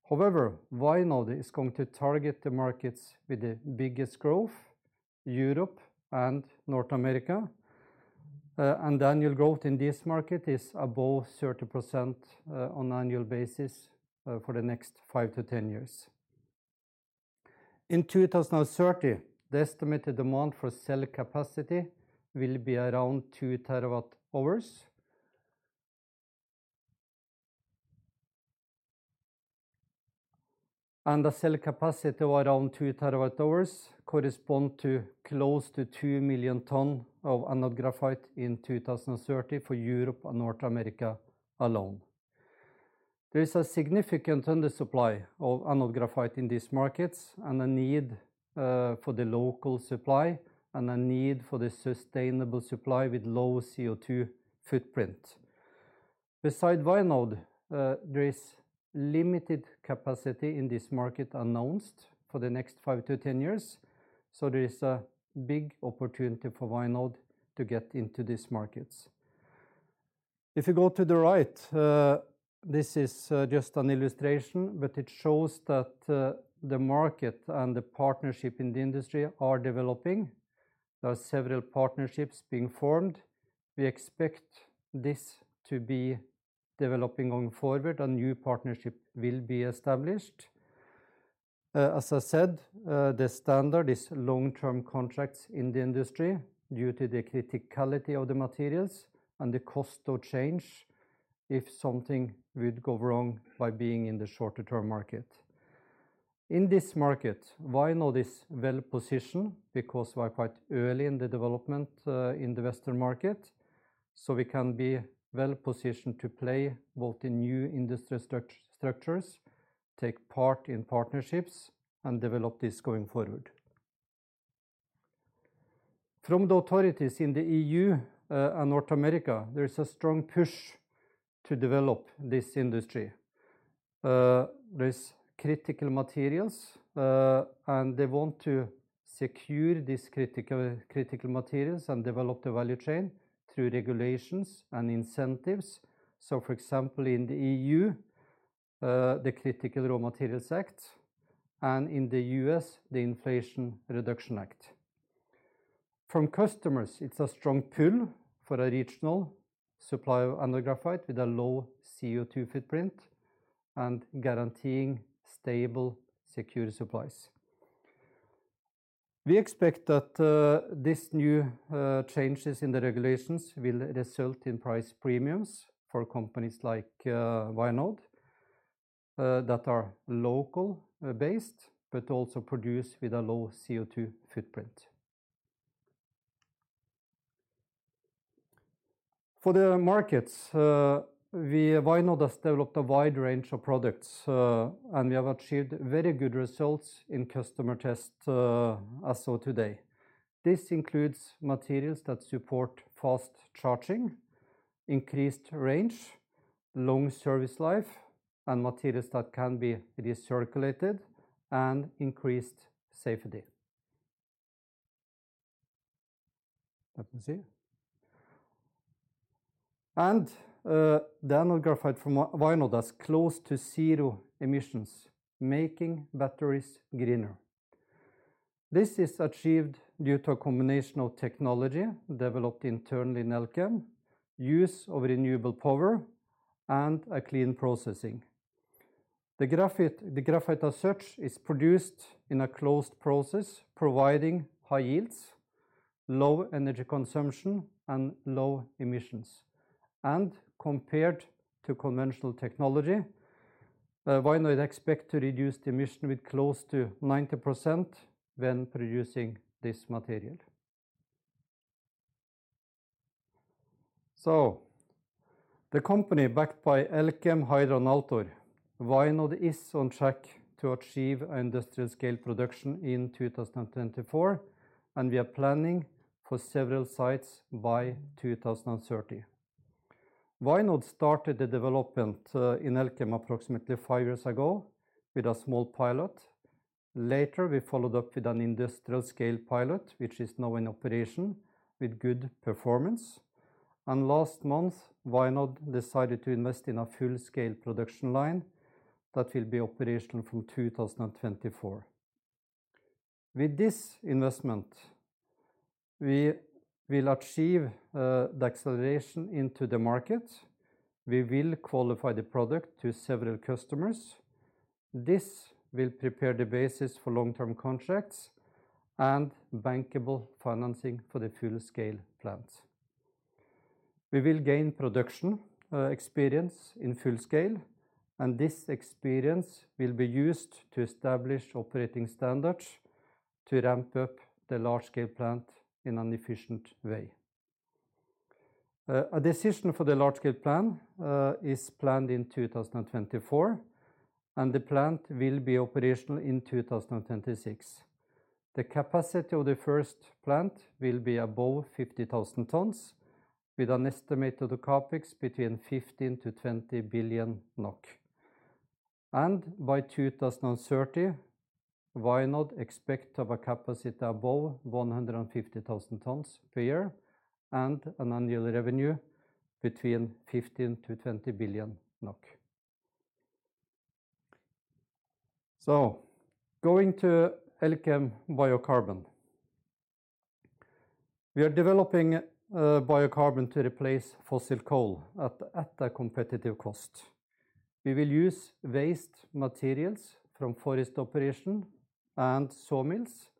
However, Vianode is going to target the markets with the biggest growth, Europe and North America, and annual growth in this market is above 30%, on annual basis, for the next five to ten years. In 2030, the estimated demand for cell capacity will be around 2 TWh. The cell capacity of around 2 TWh correspond to close to 2 million tons of anode graphite in 2030 for Europe and North America alone. There is a significant undersupply of anode graphite in these markets and a need for the local supply and a need for the sustainable supply with low CO₂ Footprint. Besides Vianode, there is limited capacity in this market announced for the next five to ten years, so there is a big opportunity for Vianode to get into these markets. If you go to the right, this is just an illustration, but it shows that the market and the partnership in the industry are developing. There are several partnerships being formed. We expect this to be developing going forward. A new partnership will be established. As I said, the standard is long-term contracts in the industry due to the criticality of the materials and the cost of change if something would go wrong by being in the shorter-term market. In this market, Vianode is well-positioned because we're quite early in the development in the Western market, so we can be well-positioned to play both in new industry structures, take part in partnerships, and develop this going forward. From the authorities in the E.U. and North America, there is a strong push to develop this industry. There are critical materials, and they want to secure these critical materials and develop the value chain through regulations and incentives. For example, in the E.U., the Critical Raw Materials Act, and in the U.S., the Inflation Reduction Act. From customers, it's a strong pull for a regional supply of anode graphite with a low CO₂ footprint and guaranteeing stable, secure supplies. We expect that, these new, changes in the regulations will result in price premiums for companies like, Vianode, that are local-based, but also produce with a low CO₂ footprint. For the markets, we at Vianode has developed a wide range of products, and we have achieved very good results in customer tests, as of today. This includes materials that support fast charging, increased range, long service life, and materials that can be recirculated, and increased safety. Let me see. The anode graphite from Vianode has close to zero emissions, making batteries greener. This is achieved due to a combination of technology developed internally in Elkem, use of renewable power, and a clean processing. The graphite as such is produced in a closed process, providing high yields, low energy consumption and low emissions. Compared to conventional technology, Vianode expect to reduce the emission with close to 90% when producing this material. The company backed by Elkem, Hydro and Altor, Vianode is on track to achieve industrial scale production in 2024, and we are planning for several sites by 2030. Vianode started the development in Elkem approximately five years ago with a small pilot. Later, we followed up with an industrial scale pilot, which is now in operation with good performance. Last month, Vianode decided to invest in a full-scale production line that will be operational from 2024. With this investment, we will achieve the acceleration into the market. We will qualify the product to several customers. This will prepare the basis for long-term contracts and bankable financing for the full-scale plant. We will gain production experience in full scale, and this experience will be used to establish operating standards to ramp up the large-scale plant in an efficient way. A decision for the large-scale plant is planned in 2024, and the plant will be operational in 2026. The capacity of the first plant will be above 50,000 tons with an estimate of the CapEx between NOK 15-20 billion. By 2030, Vianode expects to have a capacity above 150,000 tons per year and an annual revenue between 15-20 billion NOK. Going to Elkem Biocarbon. We are developing biocarbon to replace fossil coal at a competitive cost. We will use waste materials from forest operation and sawmills.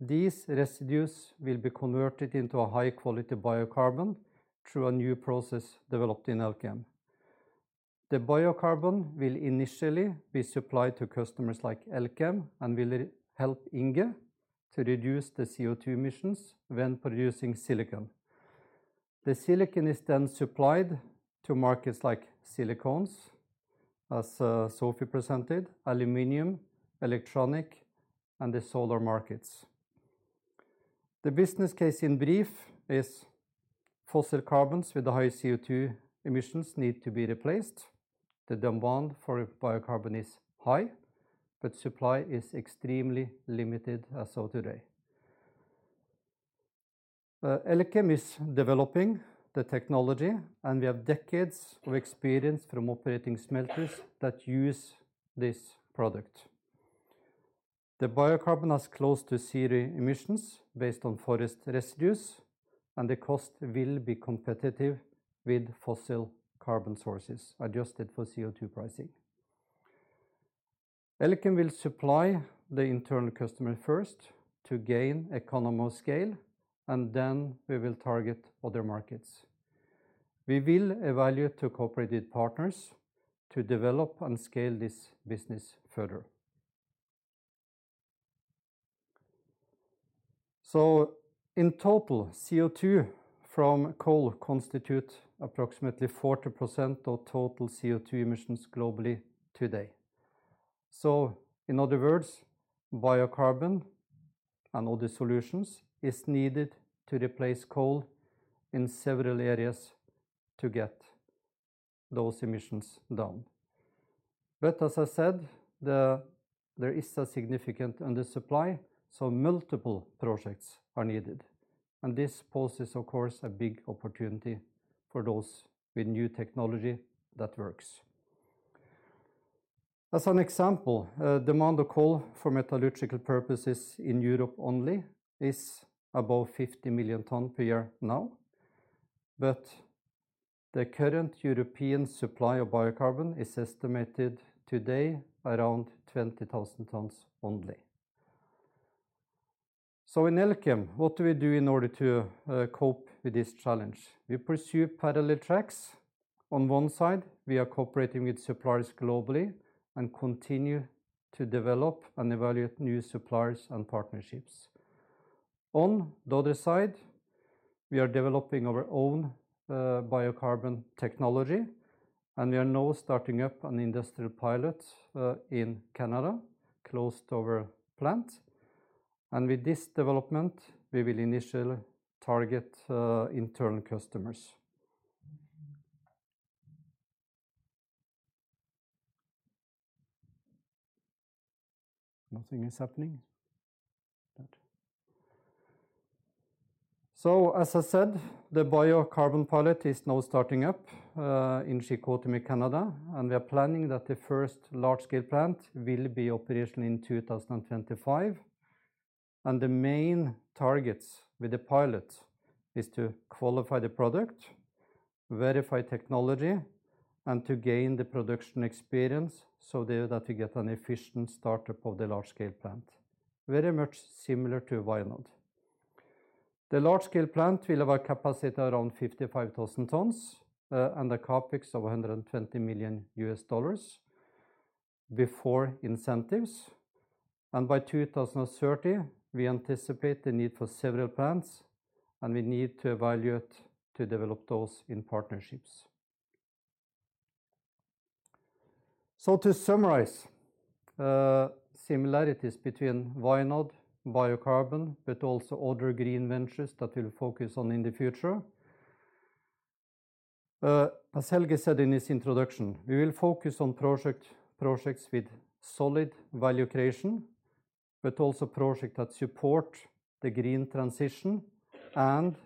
These residues will be converted into a high-quality biocarbon through a new process developed in Elkem. The biocarbon will initially be supplied to customers like Elkem and will help Inge to reduce the CO₂ emissions when producing silicon. The silicon is then supplied to markets like silicones, as Sophie presented, aluminum, electronics and the solar markets. The business case in brief is fossil carbons, with the high CO₂ emissions, need to be replaced. The demand for biocarbon is high, but supply is extremely limited as of today. Elkem is developing the technology, and we have decades of experience from operating smelters that use this product. The biocarbon has close to zero emissions based on forest residues, and the cost will be competitive with fossil carbon sources, adjusted for CO₂ pricing. Elkem will supply the internal customer first to gain economies of scale, and then we will target other markets. We will evaluate cooperation with partners to develop and scale this business further. In total, CO₂ from coal constitute approximately 40% of total CO₂ emissions globally today. In other words, biocarbon and other solutions is needed to replace coal in several areas to get those emissions down. As I said, there is a significant undersupply, so multiple projects are needed. This poses, of course, a big opportunity for those with new technology that works. As an example, demand for coal for metallurgical purposes in Europe only is above 50 million tons per year now. The current European supply of biocarbon is estimated today around 20,000 tons only. In Elkem, what do we do in order to cope with this challenge? We pursue parallel tracks. On one side, we are cooperating with suppliers globally and continue to develop and evaluate new suppliers and partnerships. On the other side, we are developing our own biocarbon technology, and we are now starting up an industrial pilot in Canada, close to our plant. With this development, we will initially target internal customers. Nothing is happening? Good. As I said, the biocarbon pilot is now starting up in Chicoutimi, Canada, and we are planning that the first large-scale plant will be operational in 2025. The main targets with the pilot is to qualify the product, verify technology and to gain the production experience so that we get an efficient startup of the large-scale plant, very much similar to Vianode. The large-scale plant will have a capacity around 55,000 tons, and a CapEx of $120 million before incentives. By 2030, we anticipate the need for several plants, and we need to evaluate to develop those in partnerships. To summarize, similarities between Vianode, biocarbon, but also other green ventures that we'll focus on in the future. As Helge said in his introduction, we will focus on projects with solid value creation, but also projects that support the green transition, and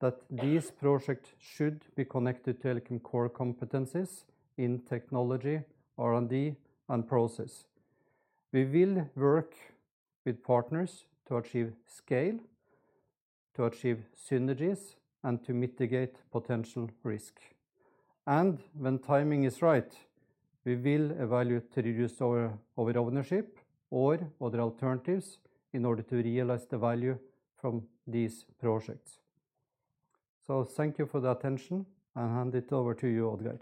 that these projects should be connected to Elkem core competencies in technology, R&D, and process. We will work with partners to achieve scale, to achieve synergies, and to mitigate potential risk. When timing is right, we will evaluate to reduce our ownership or other alternatives in order to realize the value from these projects. Thank you for the attention. I hand it over to you, Odd-Geir.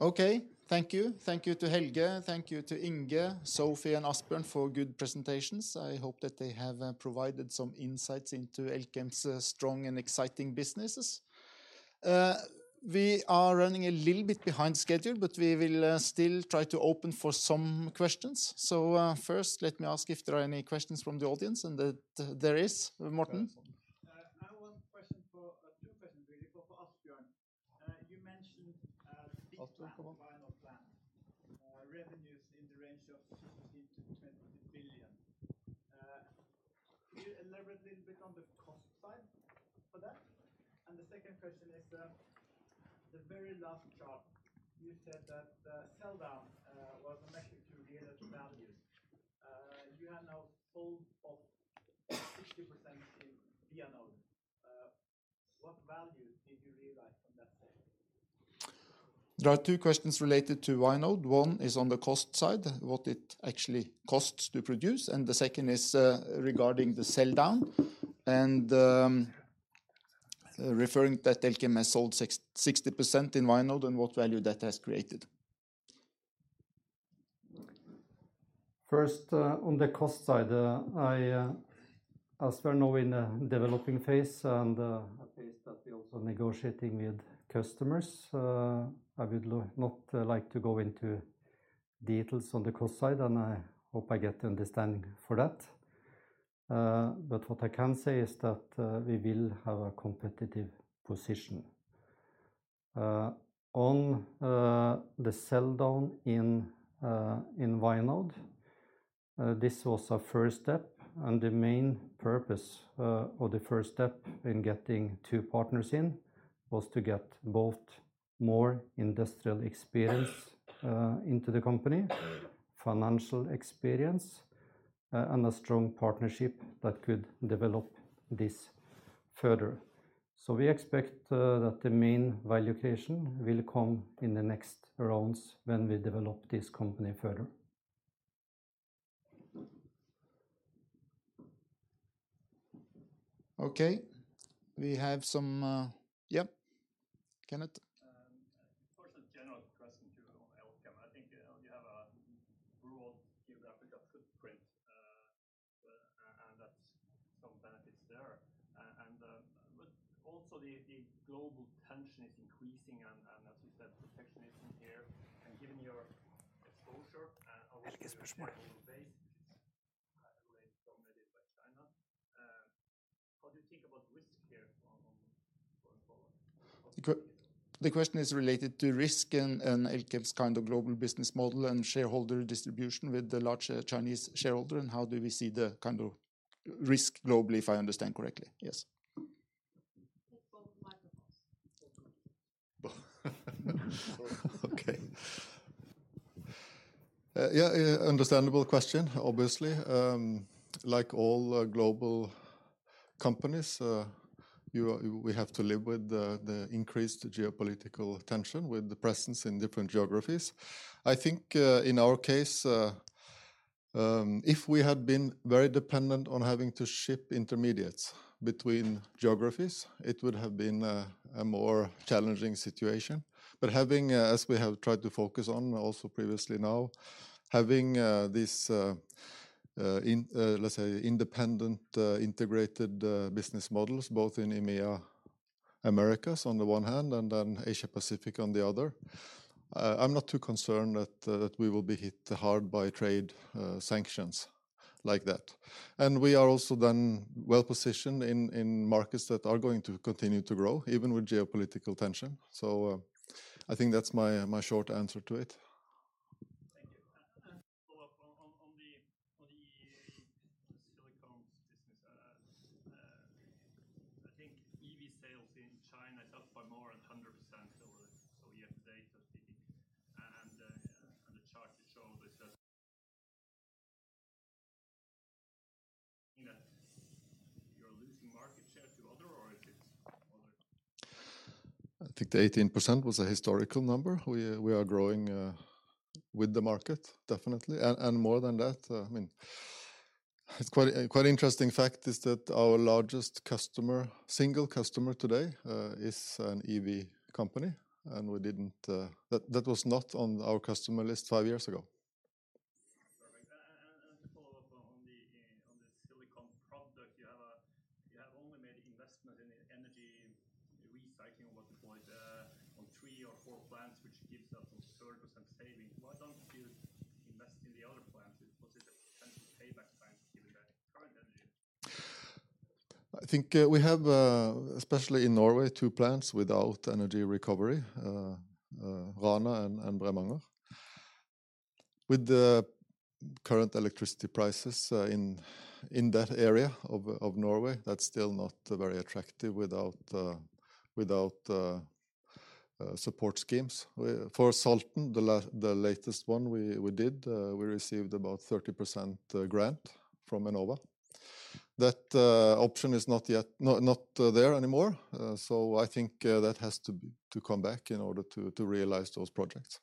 Okay. Thank you. Thank you to Helge. Thank you to Inge, Sophie, and Asbjørn for good presentations. I hope that they have provided some insights into Elkem's strong and exciting businesses. We are running a little bit behind schedule, but we will still try to open for some questions. First, let me ask if there are any questions from the audience, and there is. Morten? I have one question for two questions really for Asbjørn. You mentioned big plant, Vianode plant revenues in the range of NOK 15-20 billion. Can you elaborate a little bit on the cost side for that? The second question is, the very last chart, you said that the sell-down was a method to realize values. You have now sold off 60% in Vianode. What value did you realize from that sale? There are two questions related to Vianode. One is on the cost side, what it actually costs to produce, and the second is, regarding the sell-down, and, referring that Elkem has sold 60% in Vianode, and what value that has created. First, on the cost side, I as we're now in a developing phase and a phase that we're also negotiating with customers, I would not like to go into details on the cost side, and I hope I get the understanding for that. But what I can say is that we will have a competitive position. On the sell-down in Vianode, this was a first step, and the main purpose or the first step in getting two partners in was to get both more industrial experience into the company, financial experience, and a strong partnership that could develop this further. We expect that the main value creation will come in the next rounds when we develop this company further. Okay. We have some, yeah. Kenneth? First, a general question to Elkem. I think, you know, you have a rural geographical footprint, and that's some benefits there. But also the global tension is increasing and as you said, protectionism here. Given your exposure. Helge's question Dominated by China, what do you think about risk here going forward? The question is related to risk and Elkem's kind of global business model and shareholder distribution with the large Chinese shareholder, and how do we see the kind of risk globally, if I understand correctly? Yes. Take both microphones. Both microphones. Both. Okay. Yeah, understandable question, obviously. Like all global companies, we have to live with the increased geopolitical tension with the presence in different geographies. I think, in our case, if we had been very dependent on having to ship intermediates between geographies, it would have been a more challenging situation. Having, as we have tried to focus on also previously now, this independent, integrated business models, both in EMEA, Americas on the one hand, and then Asia Pacific on the other, I'm not too concerned that we will be hit hard by trade sanctions like that. We are also then well-positioned in markets that are going to continue to grow, even with geopolitical tension. I think that's my short answer to it. Thank you. You have the data speaking and the chart to show that. You're losing market share to other, or if it's other? I think the 18% was a historical number. We are growing with the market, definitely. More than that, I mean, it's quite interesting fact is that our largest customer, single customer today, is an EV company, and that was not on our customer list five years ago. Perfect. To follow up on the Silicon Products, you have only made investment in energy recycling or whatever the point on three or four plants, which gives us some 30% savings. Why don't you invest in the other plants? Was it a potential payback time given the current energy? I think we have, especially in Norway, two plants without energy recovery, Rana and Bremanger. With the current electricity prices in that area of Norway, that's still not very attractive without support schemes. For Salten, the latest one we did, we received about 30% grant from Enova. That option is not yet there anymore. I think that has to come back in order to realize those projects.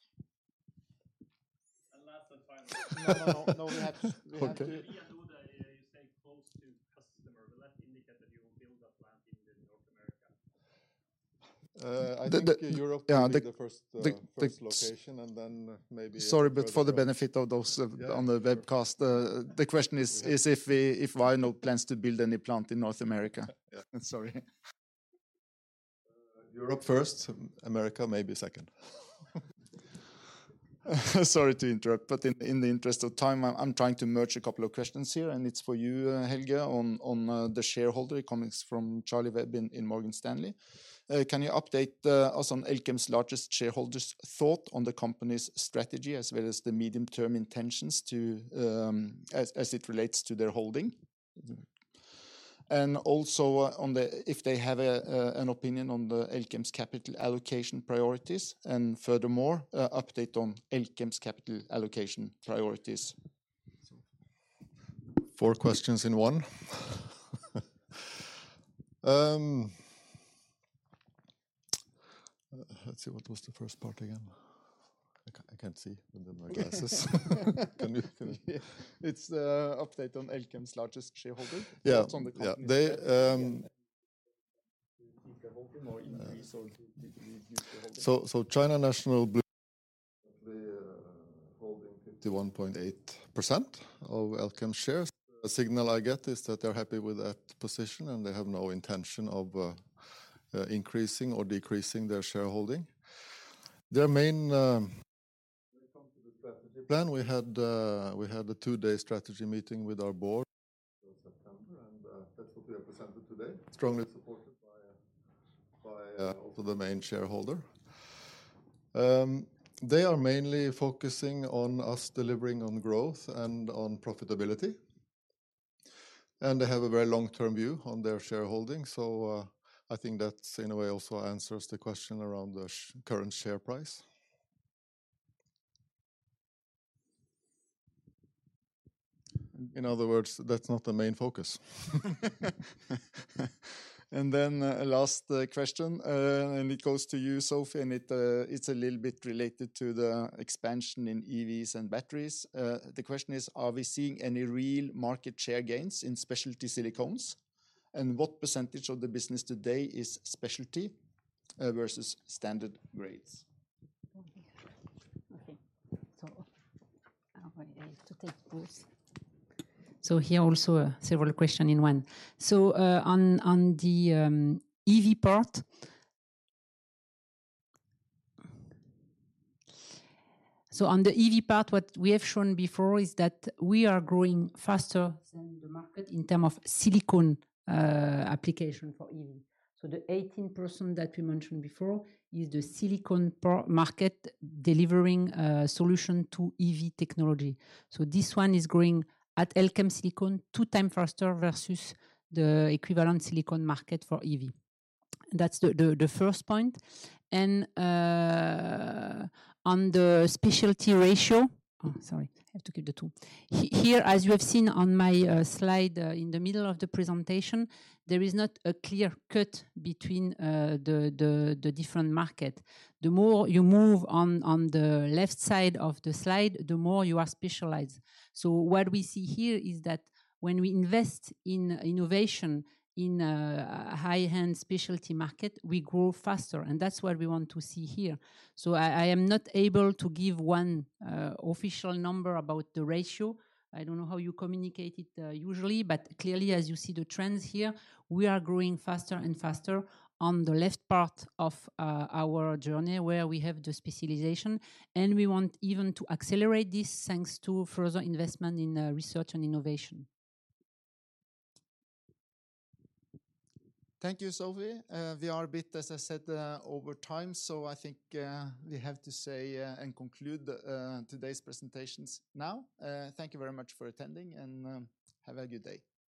Last and final. No, no. We have to- Okay. You say close to customer. Will that indicate that you will build a plant in North America? I think Europe will be the first. Yeah. -first location, and then maybe- Sorry, for the benefit of those on the webcast, the question is if Vianode plans to build any plant in North America. Yeah. Sorry. Europe first, America maybe second. Sorry to interrupt, but in the interest of time, I'm trying to merge a couple of questions here, and it's for you, Helge, on the shareholder. It comes from Charlie Webb in Morgan Stanley. Can you update us on Elkem's largest shareholder's thought on the company's strategy as well as the medium-term intentions to as it relates to their holding? And also, if they have an opinion on Elkem's capital allocation priorities, and furthermore, update on Elkem's capital allocation priorities. Four questions in one. Let's see, what was the first part again? I can't see without my glasses. Can you, It's update on Elkem's largest shareholder. Yeah. It's on the company's share. Yeah. They Increase or decrease the holding. China National Bluestar currently holding 51.8% of Elkem shares. The signal I get is that they're happy with that position, and they have no intention of increasing or decreasing their shareholding. Their main focus when it comes to the strategy plan, we had a two-day strategy meeting with our board in September, and that's what we have presented today. Strongly supported by also the main shareholder. They are mainly focusing on us delivering on growth and on profitability, and they have a very long-term view on their shareholding. I think that in a way also answers the question around the current share price. In other words, that's not the main focus. Last question, and it goes to you, Sophie, and it's a little bit related to the expansion in EVs and batteries. The question is, are we seeing any real market share gains in specialty silicones? What percentage of the business today is specialty versus standard grades? Okay. I have to take both. Here also several questions in one. On the EV part, what we have shown before is that we are growing faster than the market in terms of silicon application for EV. The 18% that we mentioned before is the Silicon Products market delivering solution to EV technology. This one is growing at Elkem Silicon Products two times faster versus the equivalent silicon market for EV. That's the first point. On the specialty ratio. Sorry. I have to keep the two. Here, as you have seen on my slide, in the middle of the presentation, there is not a clear cut between the different markets. The more you move on the left side of the slide, the more you are specialized. What we see here is that when we invest in innovation in high-end specialty market, we grow faster, and that's what we want to see here. I am not able to give one official number about the ratio. I don't know how you communicate it usually, but clearly, as you see the trends here, we are growing faster and faster on the left part of our journey, where we have the specialization. We want even to accelerate this thanks to further investment in research and innovation. Thank you, Sophie. We are a bit, as I said, over time, so I think we have to say and conclude today's presentations now. Thank you very much for attending, and have a good day.